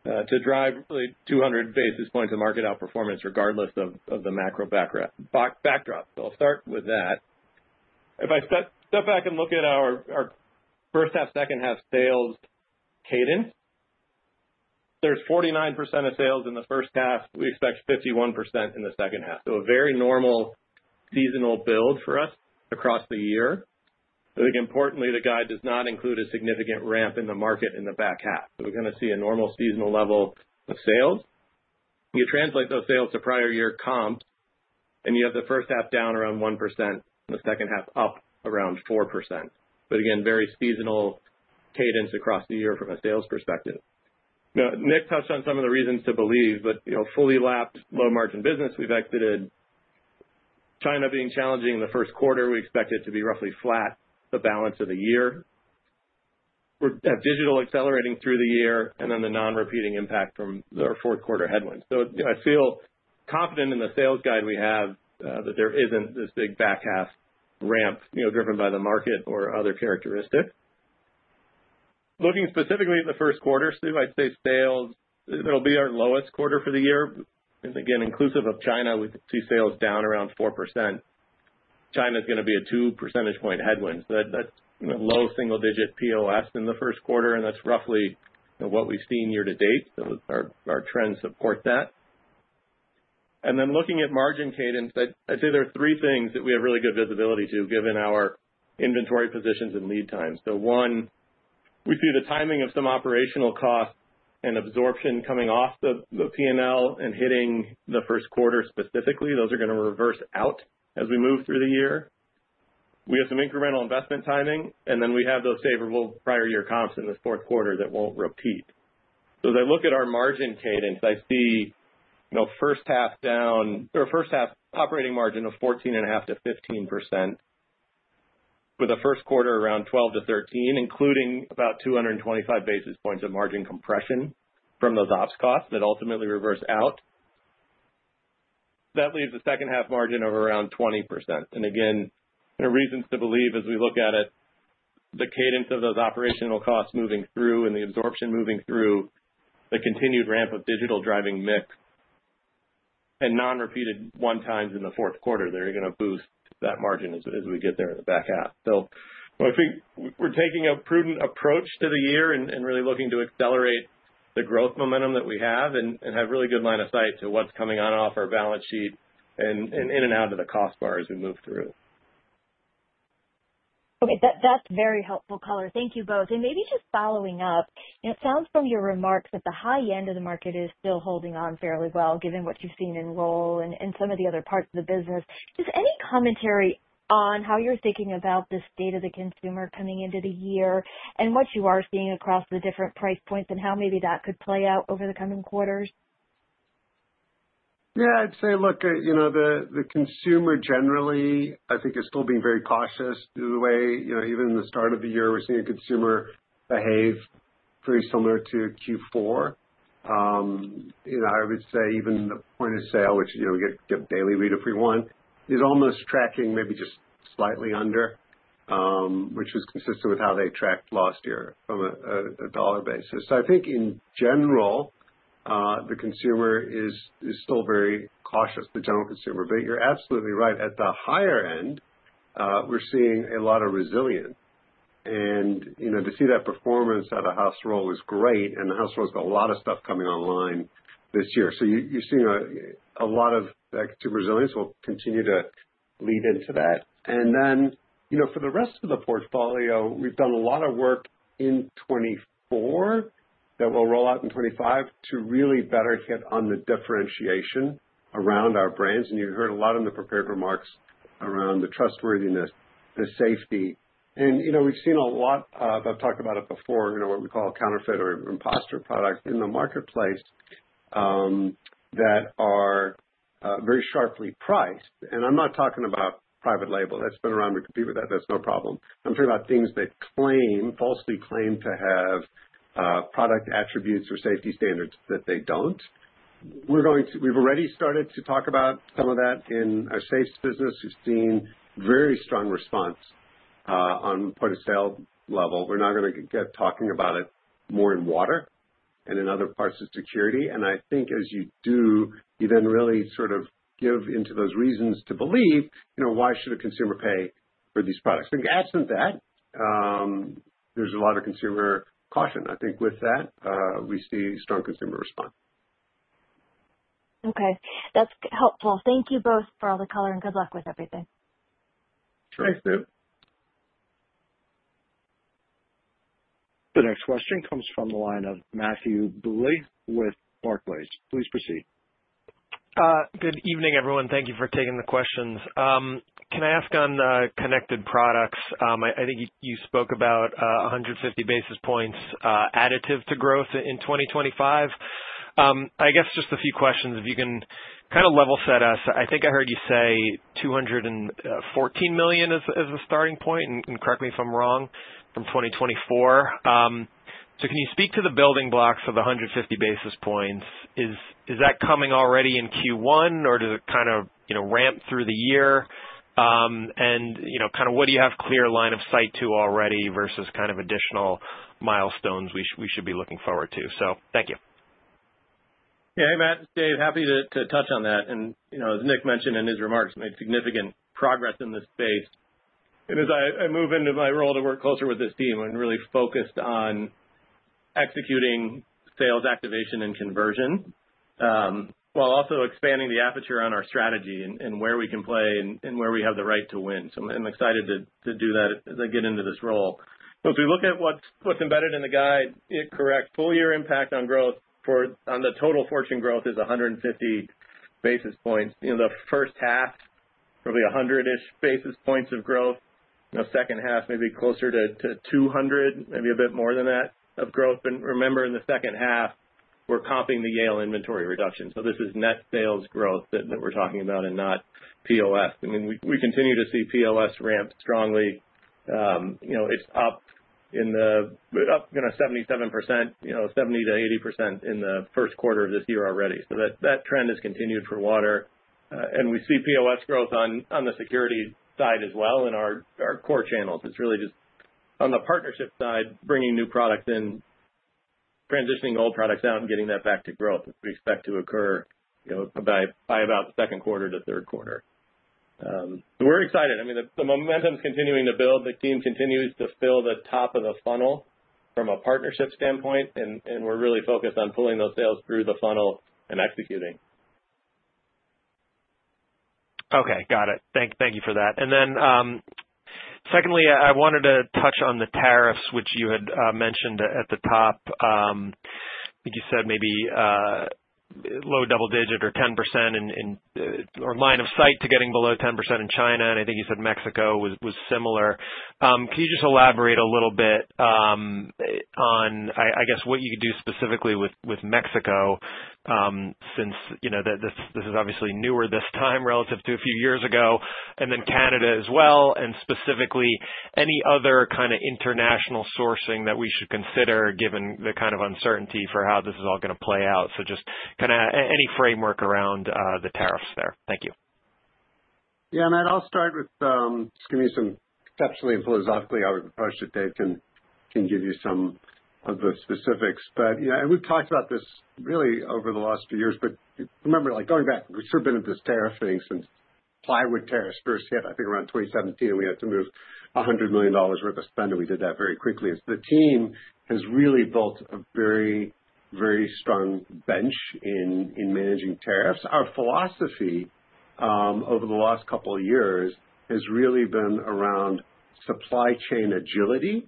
to drive really 200 basis points of market outperformance regardless of the macro backdrop. So I'll start with that. If I step back and look at our first half, second half sales cadence, there's 49% of sales in the first half. We expect 51% in the second half. So a very normal seasonal build for us across the year. I think importantly, the guide does not include a significant ramp in the market in the back half. So we're going to see a normal seasonal level of sales. You translate those sales to prior year comp, and you have the first half down around 1% and the second half up around 4%. But again, very seasonal cadence across the year from a sales perspective. Nick touched on some of the reasons to believe, but fully lapped low-margin business. We've exited China being challenging in the first quarter. We expect it to be roughly flat the balance of the year. We have digital accelerating through the year and then the non-repeating impact from our fourth quarter headwinds. So I feel confident in the sales guide we have that there isn't this big back half ramp driven by the market or other characteristics. Looking specifically at the first quarter, Sue, I'd say sales that'll be our lowest quarter for the year. And again, inclusive of China, we see sales down around 4%. China is going to be a two percentage points headwind. So that's low single-digit POS in the first quarter, and that's roughly what we've seen year to date. So our trends support that. And then looking at margin cadence, I'd say there are three things that we have really good visibility to, given our inventory positions and lead times. So one, we see the timing of some operational costs and absorption coming off the P&L and hitting the first quarter specifically. Those are going to reverse out as we move through the year. We have some incremental investment timing, and then we have those favorable prior year comps in the fourth quarter that won't repeat. So as I look at our margin cadence, I see first half down or first half operating margin of 14.5%-15%, with the first quarter around 12%-13%, including about 225 basis points of margin compression from those ops costs that ultimately reverse out. That leaves a second half margin of around 20%. And again, reasons to believe, as we look at it, the cadence of those operational costs moving through and the absorption moving through, the continued ramp of digital driving mix and non-repeated one times in the fourth quarter, they're going to boost that margin as we get there in the back half. So I think we're taking a prudent approach to the year and really looking to accelerate the growth momentum that we have and have really good line of sight to what's coming on and off our balance sheet and in and out of the cost base we move through. Okay. That's very helpful, Barry. Thank you both. And maybe just following up, it sounds from your remarks that the high end of the market is still holding on fairly well, given what you've seen in Rohl and some of the other parts of the business. Just any commentary on how you're thinking about this state of the consumer coming into the year and what you are seeing across the different price points and how maybe that could play out over the coming quarters? Yeah. I'd say, look, the consumer generally, I think, is still being very cautious the way even in the start of the year, we're seeing consumer behave very similar to Q4. I would say even the point of sale, which we get daily read if we want, is almost tracking maybe just slightly under, which was consistent with how they tracked last year from a dollar basis. So I think in general, the consumer is still very cautious, the general consumer. But you're absolutely right. At the higher end, we're seeing a lot of resilience. And to see that performance out of House of Rohl is great. And House of Rohl's got a lot of stuff coming online this year. So you're seeing a lot of that consumer resilience will continue to lead into that. And then for the rest of the portfolio, we've done a lot of work in 2024 that we'll roll out in 2025 to really better hit on the differentiation around our brands. And you heard a lot in the prepared remarks around the trustworthiness, the safety. And we've seen a lot of. I've talked about it before, what we call counterfeit or impostor products in the marketplace that are very sharply priced. And I'm not talking about private label. That's been around. We compete with that. That's no problem. I'm talking about things that falsely claim to have product attributes or safety standards that they don't. We've already started to talk about some of that in our safes business. We've seen very strong response on point of sale level. We're now going to get talking about it more in water and in other parts of security. I think as you do, you then really sort of give in to those reasons to believe, why should a consumer pay for these products? I think absent that, there's a lot of consumer caution. I think with that, we see strong consumer response. Okay. That's helpful. Thank you both, Barry, and good luck with everything. Thanks, Susan. The next question comes from the line of Matthew Bouley with Barclays. Please proceed. Good evening, everyone. Thank you for taking the questions. Can I ask on connected products? I think you spoke about 150 basis points additive to growth in 2025. I guess just a few questions. If you can kind of level set us, I think I heard you say 214 million as a starting point, and correct me if I'm wrong, from 2024, so can you speak to the building blocks of the 150 basis points? Is that coming already in Q1, or does it kind of ramp through the year? And kind of what do you have clear line of sight to already versus kind of additional milestones we should be looking forward to, so thank you. Yeah. Hey, Matthew. Dave, happy to touch on that, and as Nick mentioned in his remarks, made significant progress in this space. And as I move into my role to work closer with this team, I'm really focused on executing sales activation and conversion while also expanding the aperture on our strategy and where we can play and where we have the right to win. So I'm excited to do that as I get into this role, so if we look at what's embedded in the guide, it corrects full year impact on growth on the total Fortune growth is 150 basis points. The first half, probably 100-ish basis points of growth. The second half, maybe closer to 200, maybe a bit more than that of growth, but remember, in the second half, we're comping the Yale inventory reduction. This is net sales growth that we're talking about and not POS. I mean, we continue to see POS ramp strongly. It's up 77%, 70%-80% in the first quarter of this year already. That trend has continued for water. We see POS growth on the security side as well in our core channels. It's really just on the partnership side, bringing new products in, transitioning old products out, and getting that back to growth, which we expect to occur by about the second quarter to third quarter. We're excited. I mean, the momentum is continuing to build. The team continues to fill the top of the funnel from a partnership standpoint. We're really focused on pulling those sales through the funnel and executing. Okay. Got it. Thank you for that. And then secondly, I wanted to touch on the tariffs, which you had mentioned at the top. I think you said maybe low double digit or 10% or line of sight to getting below 10% in China. And I think you said Mexico was similar. Can you just elaborate a little bit on, I guess, what you could do specifically with Mexico since this is obviously newer this time relative to a few years ago? And then Canada as well. And specifically, any other kind of international sourcing that we should consider given the kind of uncertainty for how this is all going to play out? So just kind of any framework around the tariffs there. Thank you. Yeah. Mathew, I'll start with just giving you some conceptually and philosophically how we approach it. Dave can give you some of the specifics, but we've talked about this really over the last few years, but remember, going back, we've sort of been at this tariff thing since plywood tariffs first hit, I think, around 2017, and we had to move $100 million worth of spend. And we did that very quickly. The team has really built a very, very strong bench in managing tariffs. Our philosophy over the last couple of years has really been around supply chain agility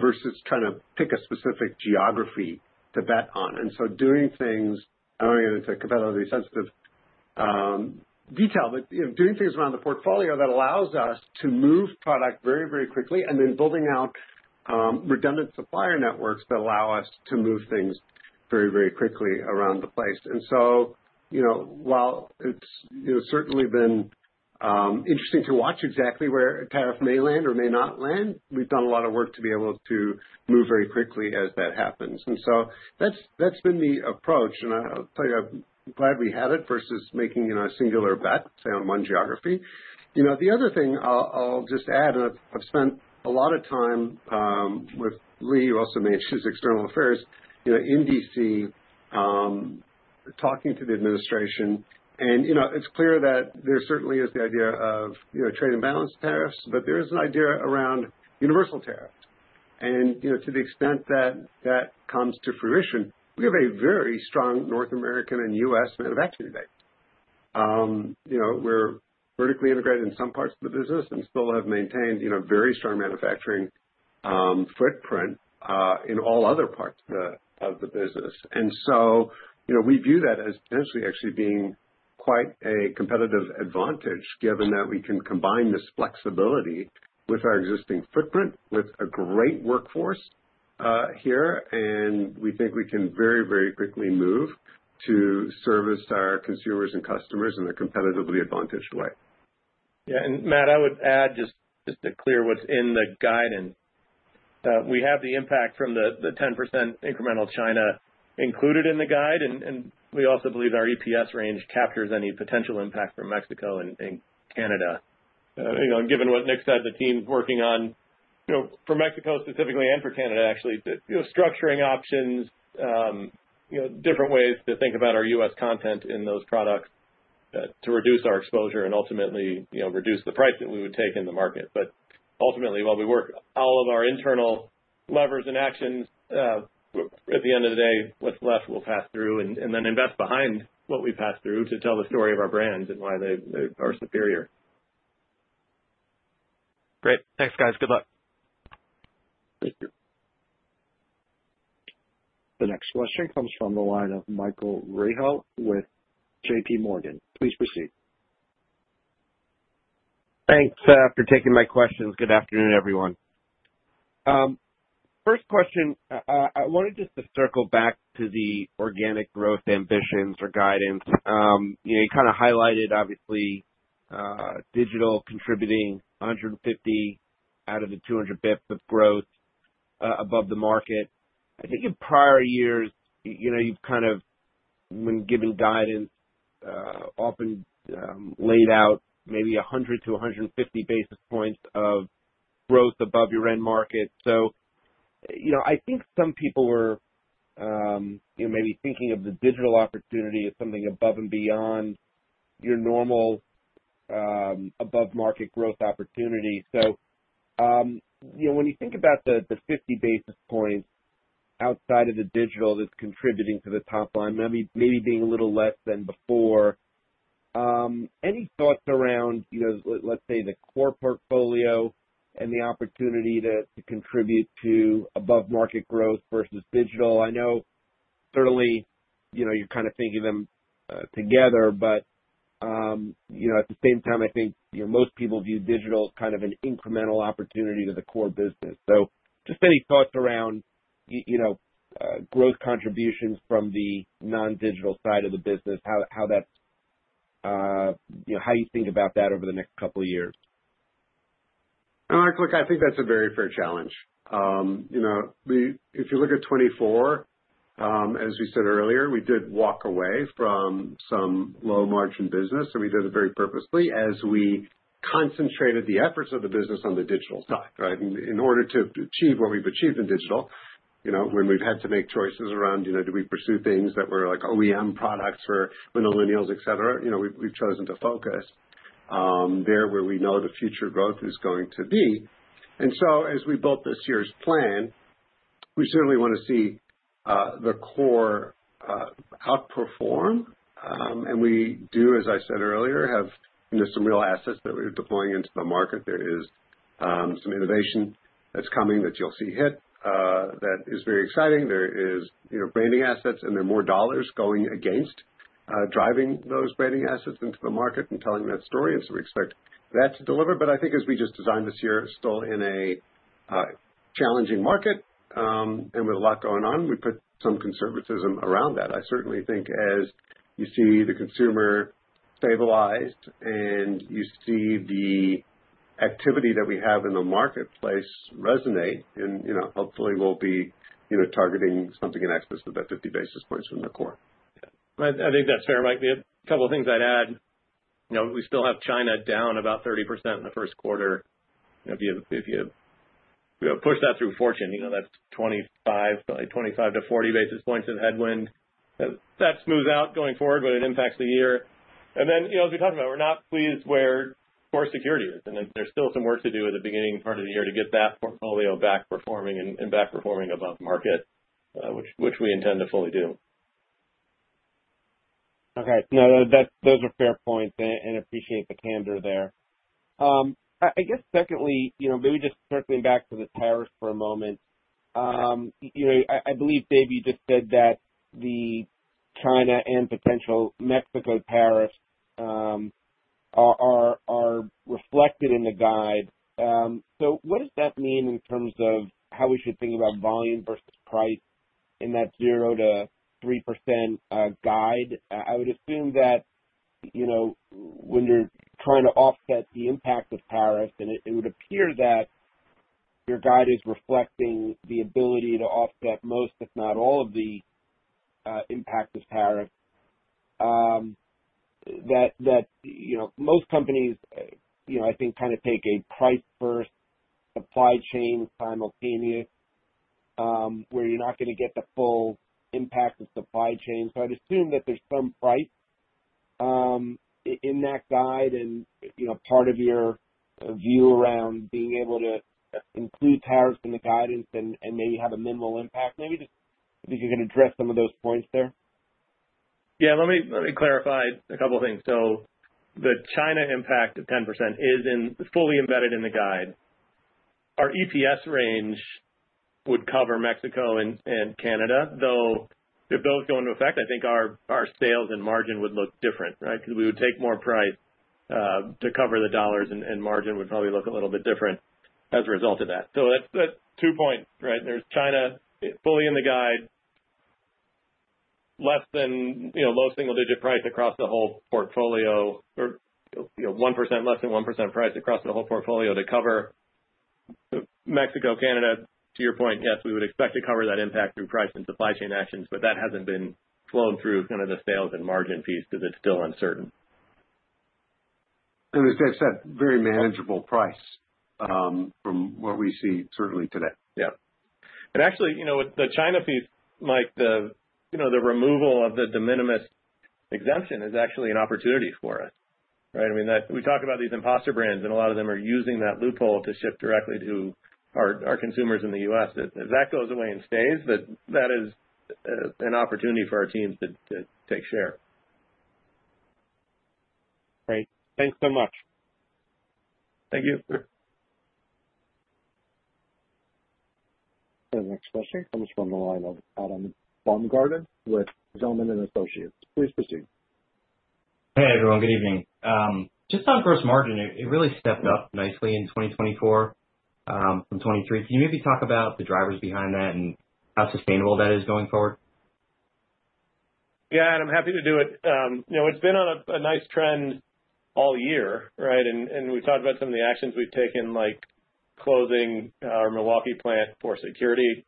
versus trying to pick a specific geography to bet on. And so doing things - I don't want to get into competitively sensitive detail - but doing things around the portfolio that allows us to move product very, very quickly and then building out redundant supplier networks that allow us to move things very, very quickly around the place. And so while it's certainly been interesting to watch exactly where tariff may land or may not land, we've done a lot of work to be able to move very quickly as that happens. And so that's been the approach. And I'll tell you, I'm glad we had it versus making a singular bet, say, on one geography. The other thing I'll just add, and I've spent a lot of time with Leigh, who also manages external affairs in DC, talking to the administration. And it's clear that there certainly is the idea of trade imbalance tariffs, but there is an idea around universal tariffs. And to the extent that that comes to fruition, we have a very strong North American and U.S. manufacturing base. We're vertically integrated in some parts of the business and still have maintained a very strong manufacturing footprint in all other parts of the business. And so we view that as potentially actually being quite a competitive advantage given that we can combine this flexibility with our existing footprint, with a great workforce here. And we think we can very, very quickly move to service our consumers and customers in a competitively advantaged way. Yeah. And Matt, I would add just to clear what's in the guidance. We have the impact from the 10% incremental China included in the guide. And we also believe our EPS range captures any potential impact from Mexico and Canada. Given what Nick said, the team's working on for Mexico specifically and for Canada, actually, structuring options, different ways to think about our US content in those products to reduce our exposure and ultimately reduce the price that we would take in the market. But ultimately, while we work all of our internal levers and actions, at the end of the day, what's left will pass through and then invest behind what we pass through to tell the story of our brands and why they are superior. Great. Thanks, guys. Good luck. Thank you. The next question comes from the line of Michael Rehaut with J.P. Morgan. Please proceed. Thanks for taking my questions. Good afternoon, everyone. First question, I wanted just to circle back to the organic growth ambitions or guidance. You kind of highlighted, obviously, digital contributing 150 out of the 200 basis points of growth above the market. I think in prior years, you've kind of, when given guidance, often laid out maybe 100 to 150 basis points of growth above your end market. So I think some people were maybe thinking of the digital opportunity as something above and beyond your normal above-market growth opportunity. So when you think about the 50 basis points outside of the digital that's contributing to the top line, maybe being a little less than before, any thoughts around, let's say, the core portfolio and the opportunity to contribute to above-market growth versus digital? I know certainly you're kind of thinking of them together, but at the same time, I think most people view digital as kind of an incremental opportunity to the core business. So just any thoughts around growth contributions from the non-digital side of the business, how you think about that over the next couple of years? Look, I think that's a very fair challenge. If you look at 2024, as we said earlier, we did walk away from some low-margin business, and we did it very purposefully as we concentrated the efforts of the business on the digital side, right? In order to achieve what we've achieved in digital, when we've had to make choices around, do we pursue things that were like OEM products for Millennials, etc., we've chosen to focus there where we know the future growth is going to be, and so as we built this year's plan, we certainly want to see the core outperform, and we do, as I said earlier, have some real assets that we're deploying into the market. There is some innovation that's coming that you'll see hit that is very exciting. There are branding assets, and there are more dollars going against driving those branding assets into the market and telling that story. And so we expect that to deliver. But I think as we just designed this year, still in a challenging market and with a lot going on, we put some conservatism around that. I certainly think as you see the consumer stabilize and you see the activity that we have in the marketplace resonate, and hopefully, we'll be targeting something in excess of that 50 basis points from the core. I think that's fair. Michael, a couple of things I'd add. We still have China down about 30% in the first quarter. If you push that through Fortune, that's 25 to 40 basis points of headwind. That smooths out going forward, but it impacts the year. And then as we talked about, we're not pleased where core security is. And there's still some work to do at the beginning part of the year to get that portfolio back performing and back performing above market, which we intend to fully do. Okay. No, those are fair points and appreciate the candor there. I guess secondly, maybe just circling back to the tariffs for a moment. I believe, David, you just said that the China and potential Mexico tariffs are reflected in the guide. So what does that mean in terms of how we should think about volume versus price in that 0%-3% guide? I would assume that when you're trying to offset the impact of tariffs, and it would appear that your guide is reflecting the ability to offset most, if not all, of the impact of tariffs, that most companies, I think, kind of take a price-first supply chain simultaneous where you're not going to get the full impact of supply chain. So I'd assume that there's some price in that guide and part of your view around being able to include tariffs in the guidance and maybe have a minimal impact. Maybe just if you could address some of those points there. Yeah. Let me clarify a couple of things. So the China impact of 10% is fully embedded in the guide. Our EPS range would cover Mexico and Canada. Though if those go into effect, I think our sales and margin would look different, right? Because we would take more price to cover the dollars, and margin would probably look a little bit different as a result of that. So that's two points, right? There's China fully in the guide, less than low single-digit price across the whole portfolio, or less than 1% price across the whole portfolio to cover Mexico, Canada. To your point, yes, we would expect to cover that impact through price and supply chain actions, but that hasn't been flown through kind of the sales and margin piece because it's still uncertain. As Dave said, very manageable price from what we see certainly today. Yeah. And actually, the China piece, Michael, the removal of the de minimis exemption is actually an opportunity for us, right? I mean, we talk about these imposter brands, and a lot of them are using that loophole to ship directly to our consumers in the U.S. If that goes away and stays, that is an opportunity for our teams to take share. Great. Thanks so much. Thank you. The next question comes from the line of Adam Baumgarten with Zelman & Associates. Please proceed. Hey, everyone. Good evening. Just on gross margin, it really stepped up nicely in 2024 from 2023. Can you maybe talk about the drivers behind that and how sustainable that is going forward? Yeah, and I'm happy to do it. It's been on a nice trend all year, right, and we talked about some of the actions we've taken, like closing our Milwaukee plant for security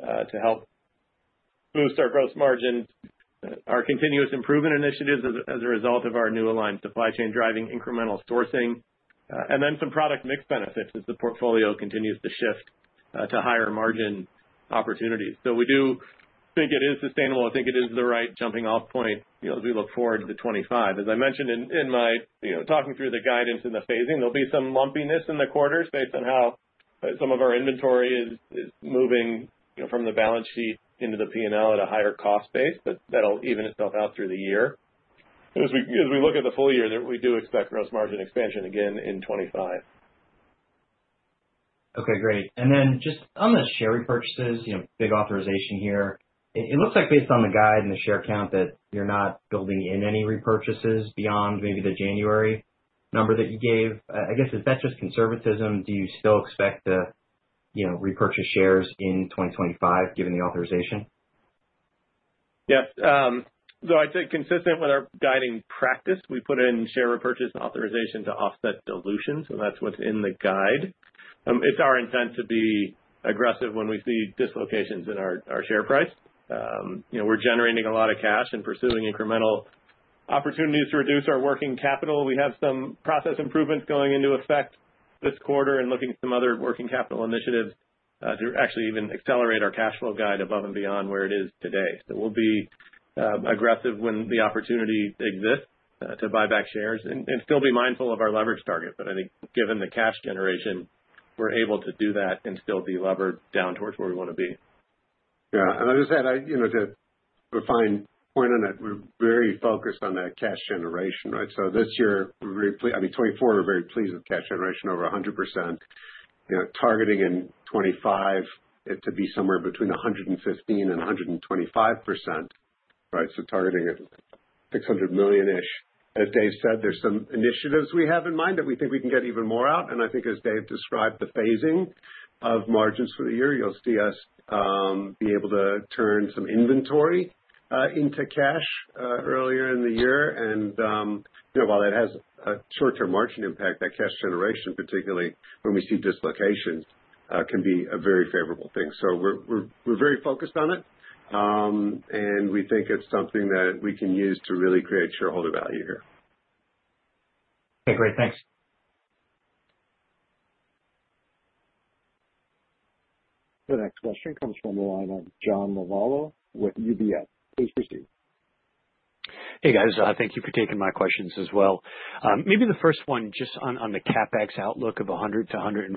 to help boost our gross margin, our continuous improvement initiatives as a result of our new aligned supply chain driving incremental sourcing, and then some product mix benefits as the portfolio continues to shift to higher margin opportunities, so we do think it is sustainable. I think it is the right jumping-off point as we look forward to 2025. As I mentioned in my talking through the guidance and the phasing, there'll be some lumpiness in the quarters based on how some of our inventory is moving from the balance sheet into the P&L at a higher cost base, but that'll even itself out through the year. As we look at the full year, we do expect gross margin expansion again in 2025. Okay. Great. And then just on the share repurchases, big authorization here. It looks like based on the guide and the share count that you're not building in any repurchases beyond maybe the January number that you gave. I guess is that just conservatism? Do you still expect to repurchase shares in 2025 given the authorization? Yes. So I think consistent with our guiding practice, we put in share repurchase authorization to offset dilution. So that's what's in the guide. It's our intent to be aggressive when we see dislocations in our share price. We're generating a lot of cash and pursuing incremental opportunities to reduce our working capital. We have some process improvements going into effect this quarter and looking at some other working capital initiatives to actually even accelerate our cash flow guide above and beyond where it is today. So we'll be aggressive when the opportunity exists to buy back shares and still be mindful of our leverage target. But I think given the cash generation, we're able to do that and still be levered down towards where we want to be. Yeah, and as I said, to a fine point on it, we're very focused on that cash generation, right? So this year, I mean, 2024, we're very pleased with cash generation over 100%. We are targeting in 2025 to be somewhere between 115% and 125%, right? We are targeting $600 million-ish. As Dave said, there's some initiatives we have in mind that we think we can get even more out. I think as Dave described the phasing of margins for the year, you'll see us be able to turn some inventory into cash earlier in the year. While that has a short-term margin impact, that cash generation, particularly when we see dislocations, can be a very favorable thing. We're very focused on it. We think it's something that we can use to really create shareholder value here. Okay. Great. Thanks. The next question comes from the line of John Lovallo with UBS. Please proceed. Hey, guys. Thank you for taking my questions as well. Maybe the first one, just on the CapEx outlook of 100-140.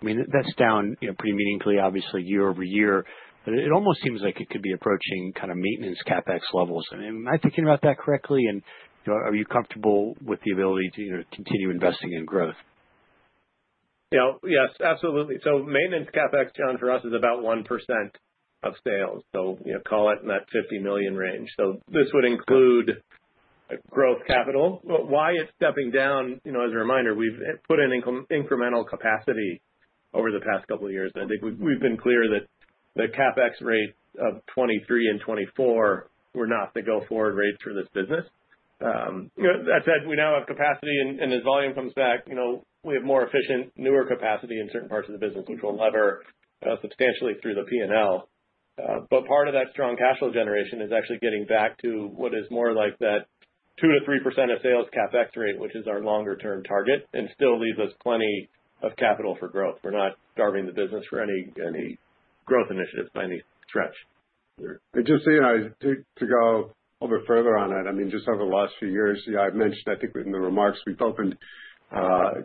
I mean, that's down pretty meaningfully, obviously, year over year. But it almost seems like it could be approaching kind of maintenance CapEx levels. Am I thinking about that correctly? And are you comfortable with the ability to continue investing in growth? Yes. Absolutely. So maintenance CapEx, John, for us is about 1% of sales. So call it in that $50 million range. So this would include growth capital. Why it's stepping down, as a reminder, we've put in incremental capacity over the past couple of years. And I think we've been clear that the CapEx rate of 2023 and 2024 were not the go-forward rates for this business. That said, we now have capacity. And as volume comes back, we have more efficient, newer capacity in certain parts of the business, which will lever substantially through the P&L. But part of that strong cash flow generation is actually getting back to what is more like that 2%-3% of sales CapEx rate, which is our longer-term target, and still leaves us plenty of capital for growth. We're not starving the business for any growth initiatives by any stretch. I'd just say to go a little bit further on it. I mean, just over the last few years, I've mentioned, I think in the remarks, we've opened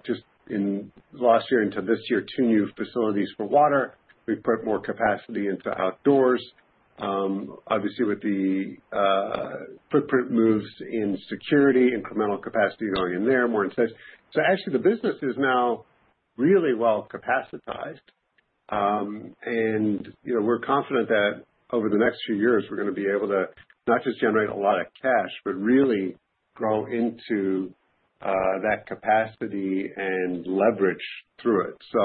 just in last year into this year two new facilities for water. We've put more capacity into outdoors. Obviously, with the footprint moves in security, incremental capacity going in there, more incentives. So actually, the business is now really well capacitized. And we're confident that over the next few years, we're going to be able to not just generate a lot of cash, but really grow into that capacity and leverage through it. So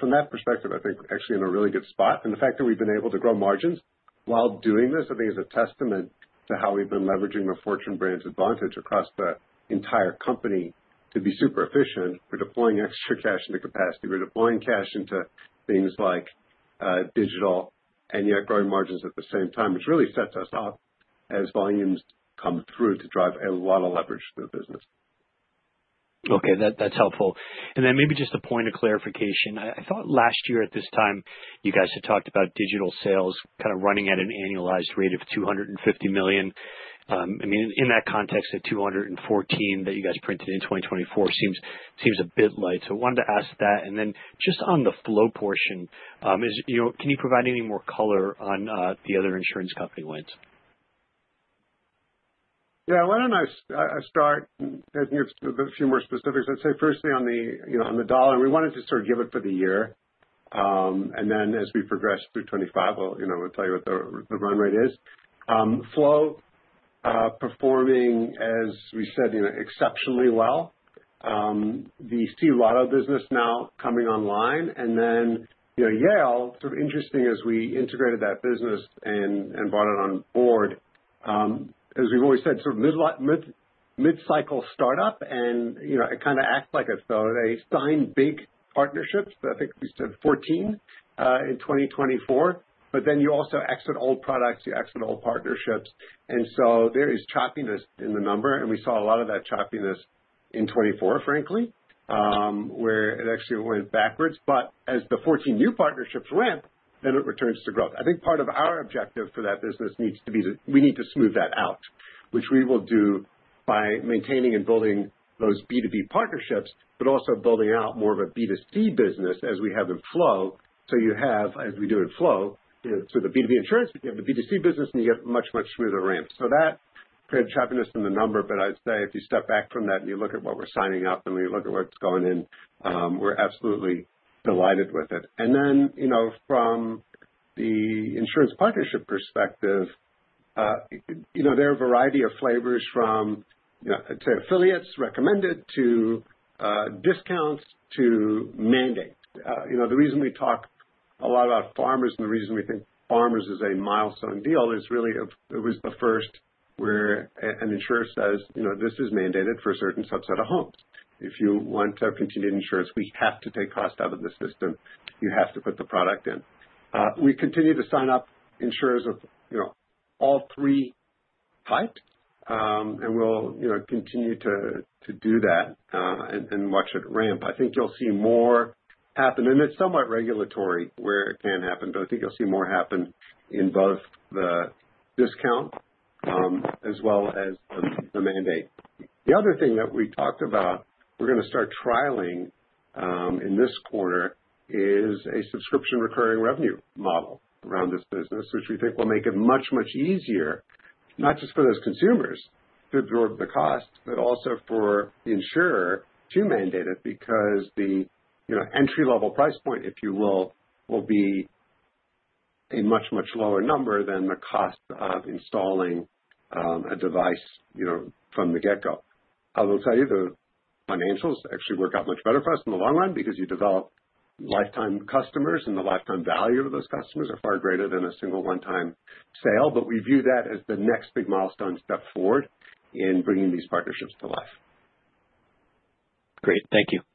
from that perspective, I think we're actually in a really good spot. And the fact that we've been able to grow margins while doing this, I think, is a testament to how we've been leveraging the Fortune Brands' advantage across the entire company to be super efficient. We're deploying extra cash into capacity. We're deploying cash into things like digital and yet growing margins at the same time, which really sets us up as volumes come through to drive a lot of leverage to the business. Okay. That's helpful. And then maybe just a point of clarification. I thought last year at this time, you guys had talked about digital sales kind of running at an annualized rate of $250 million. I mean, in that context, at $214 million that you guys printed in 2024 seems a bit light. So I wanted to ask that. And then just on the Flo portion, can you provide any more color on the other insurance company wins? Yeah. Why don't I start taking a few more specifics? I'd say firstly on the dollar, we wanted to sort of give it for the year. And then as we progress through 2025, we'll tell you what the run rate is. Flo performing, as we said, exceptionally well. We see a lot of business now coming online. And then Yale, sort of interesting as we integrated that business and brought it on board, as we've always said, sort of mid-cycle startup. And it kind of acts like a sale. They signed big partnerships. I think we said 14 in 2024. But then you also exit old products. You exit old partnerships. And so there is choppiness in the number. And we saw a lot of that choppiness in 2024, frankly, where it actually went backwards. But as the 14 new partnerships went, then it returns to growth. I think part of our objective for that business needs to be we need to smooth that out, which we will do by maintaining and building those B2B partnerships, but also building out more of a B2C business as we have in Flow. So you have, as we do in Flow, through the B2B insurance, you have the B2C business, and you get much, much smoother ramp. So that created choppiness in the number. But I'd say if you step back from that and you look at what we're signing up and we look at what's going in, we're absolutely delighted with it. And then from the insurance partnership perspective, there are a variety of flavors from, I'd say, affiliates recommended to discounts to mandate. The reason we talk a lot about Farmers and the reason we think Farmers is a milestone deal is really it was the first where an insurer says, "This is mandated for a certain subset of homes. If you want to have continued insurance, we have to take cost out of the system. You have to put the product in." We continue to sign up insurers of all three types, and we'll continue to do that and watch it ramp. I think you'll see more happen, and it's somewhat regulatory where it can happen, but I think you'll see more happen in both the discount as well as the mandate. The other thing that we talked about, we're going to start trialing in this quarter is a subscription recurring revenue model around this business, which we think will make it much, much easier, not just for those consumers to absorb the cost, but also for the insurer to mandate it because the entry-level price point, if you will, will be a much, much lower number than the cost of installing a device from the get-go. I will tell you the financials actually work out much better for us in the long run because you develop lifetime customers, and the lifetime value of those customers are far greater than a single one-time sale. But we view that as the next big milestone step forward in bringing these partnerships to life. Great. Thank you. Sure.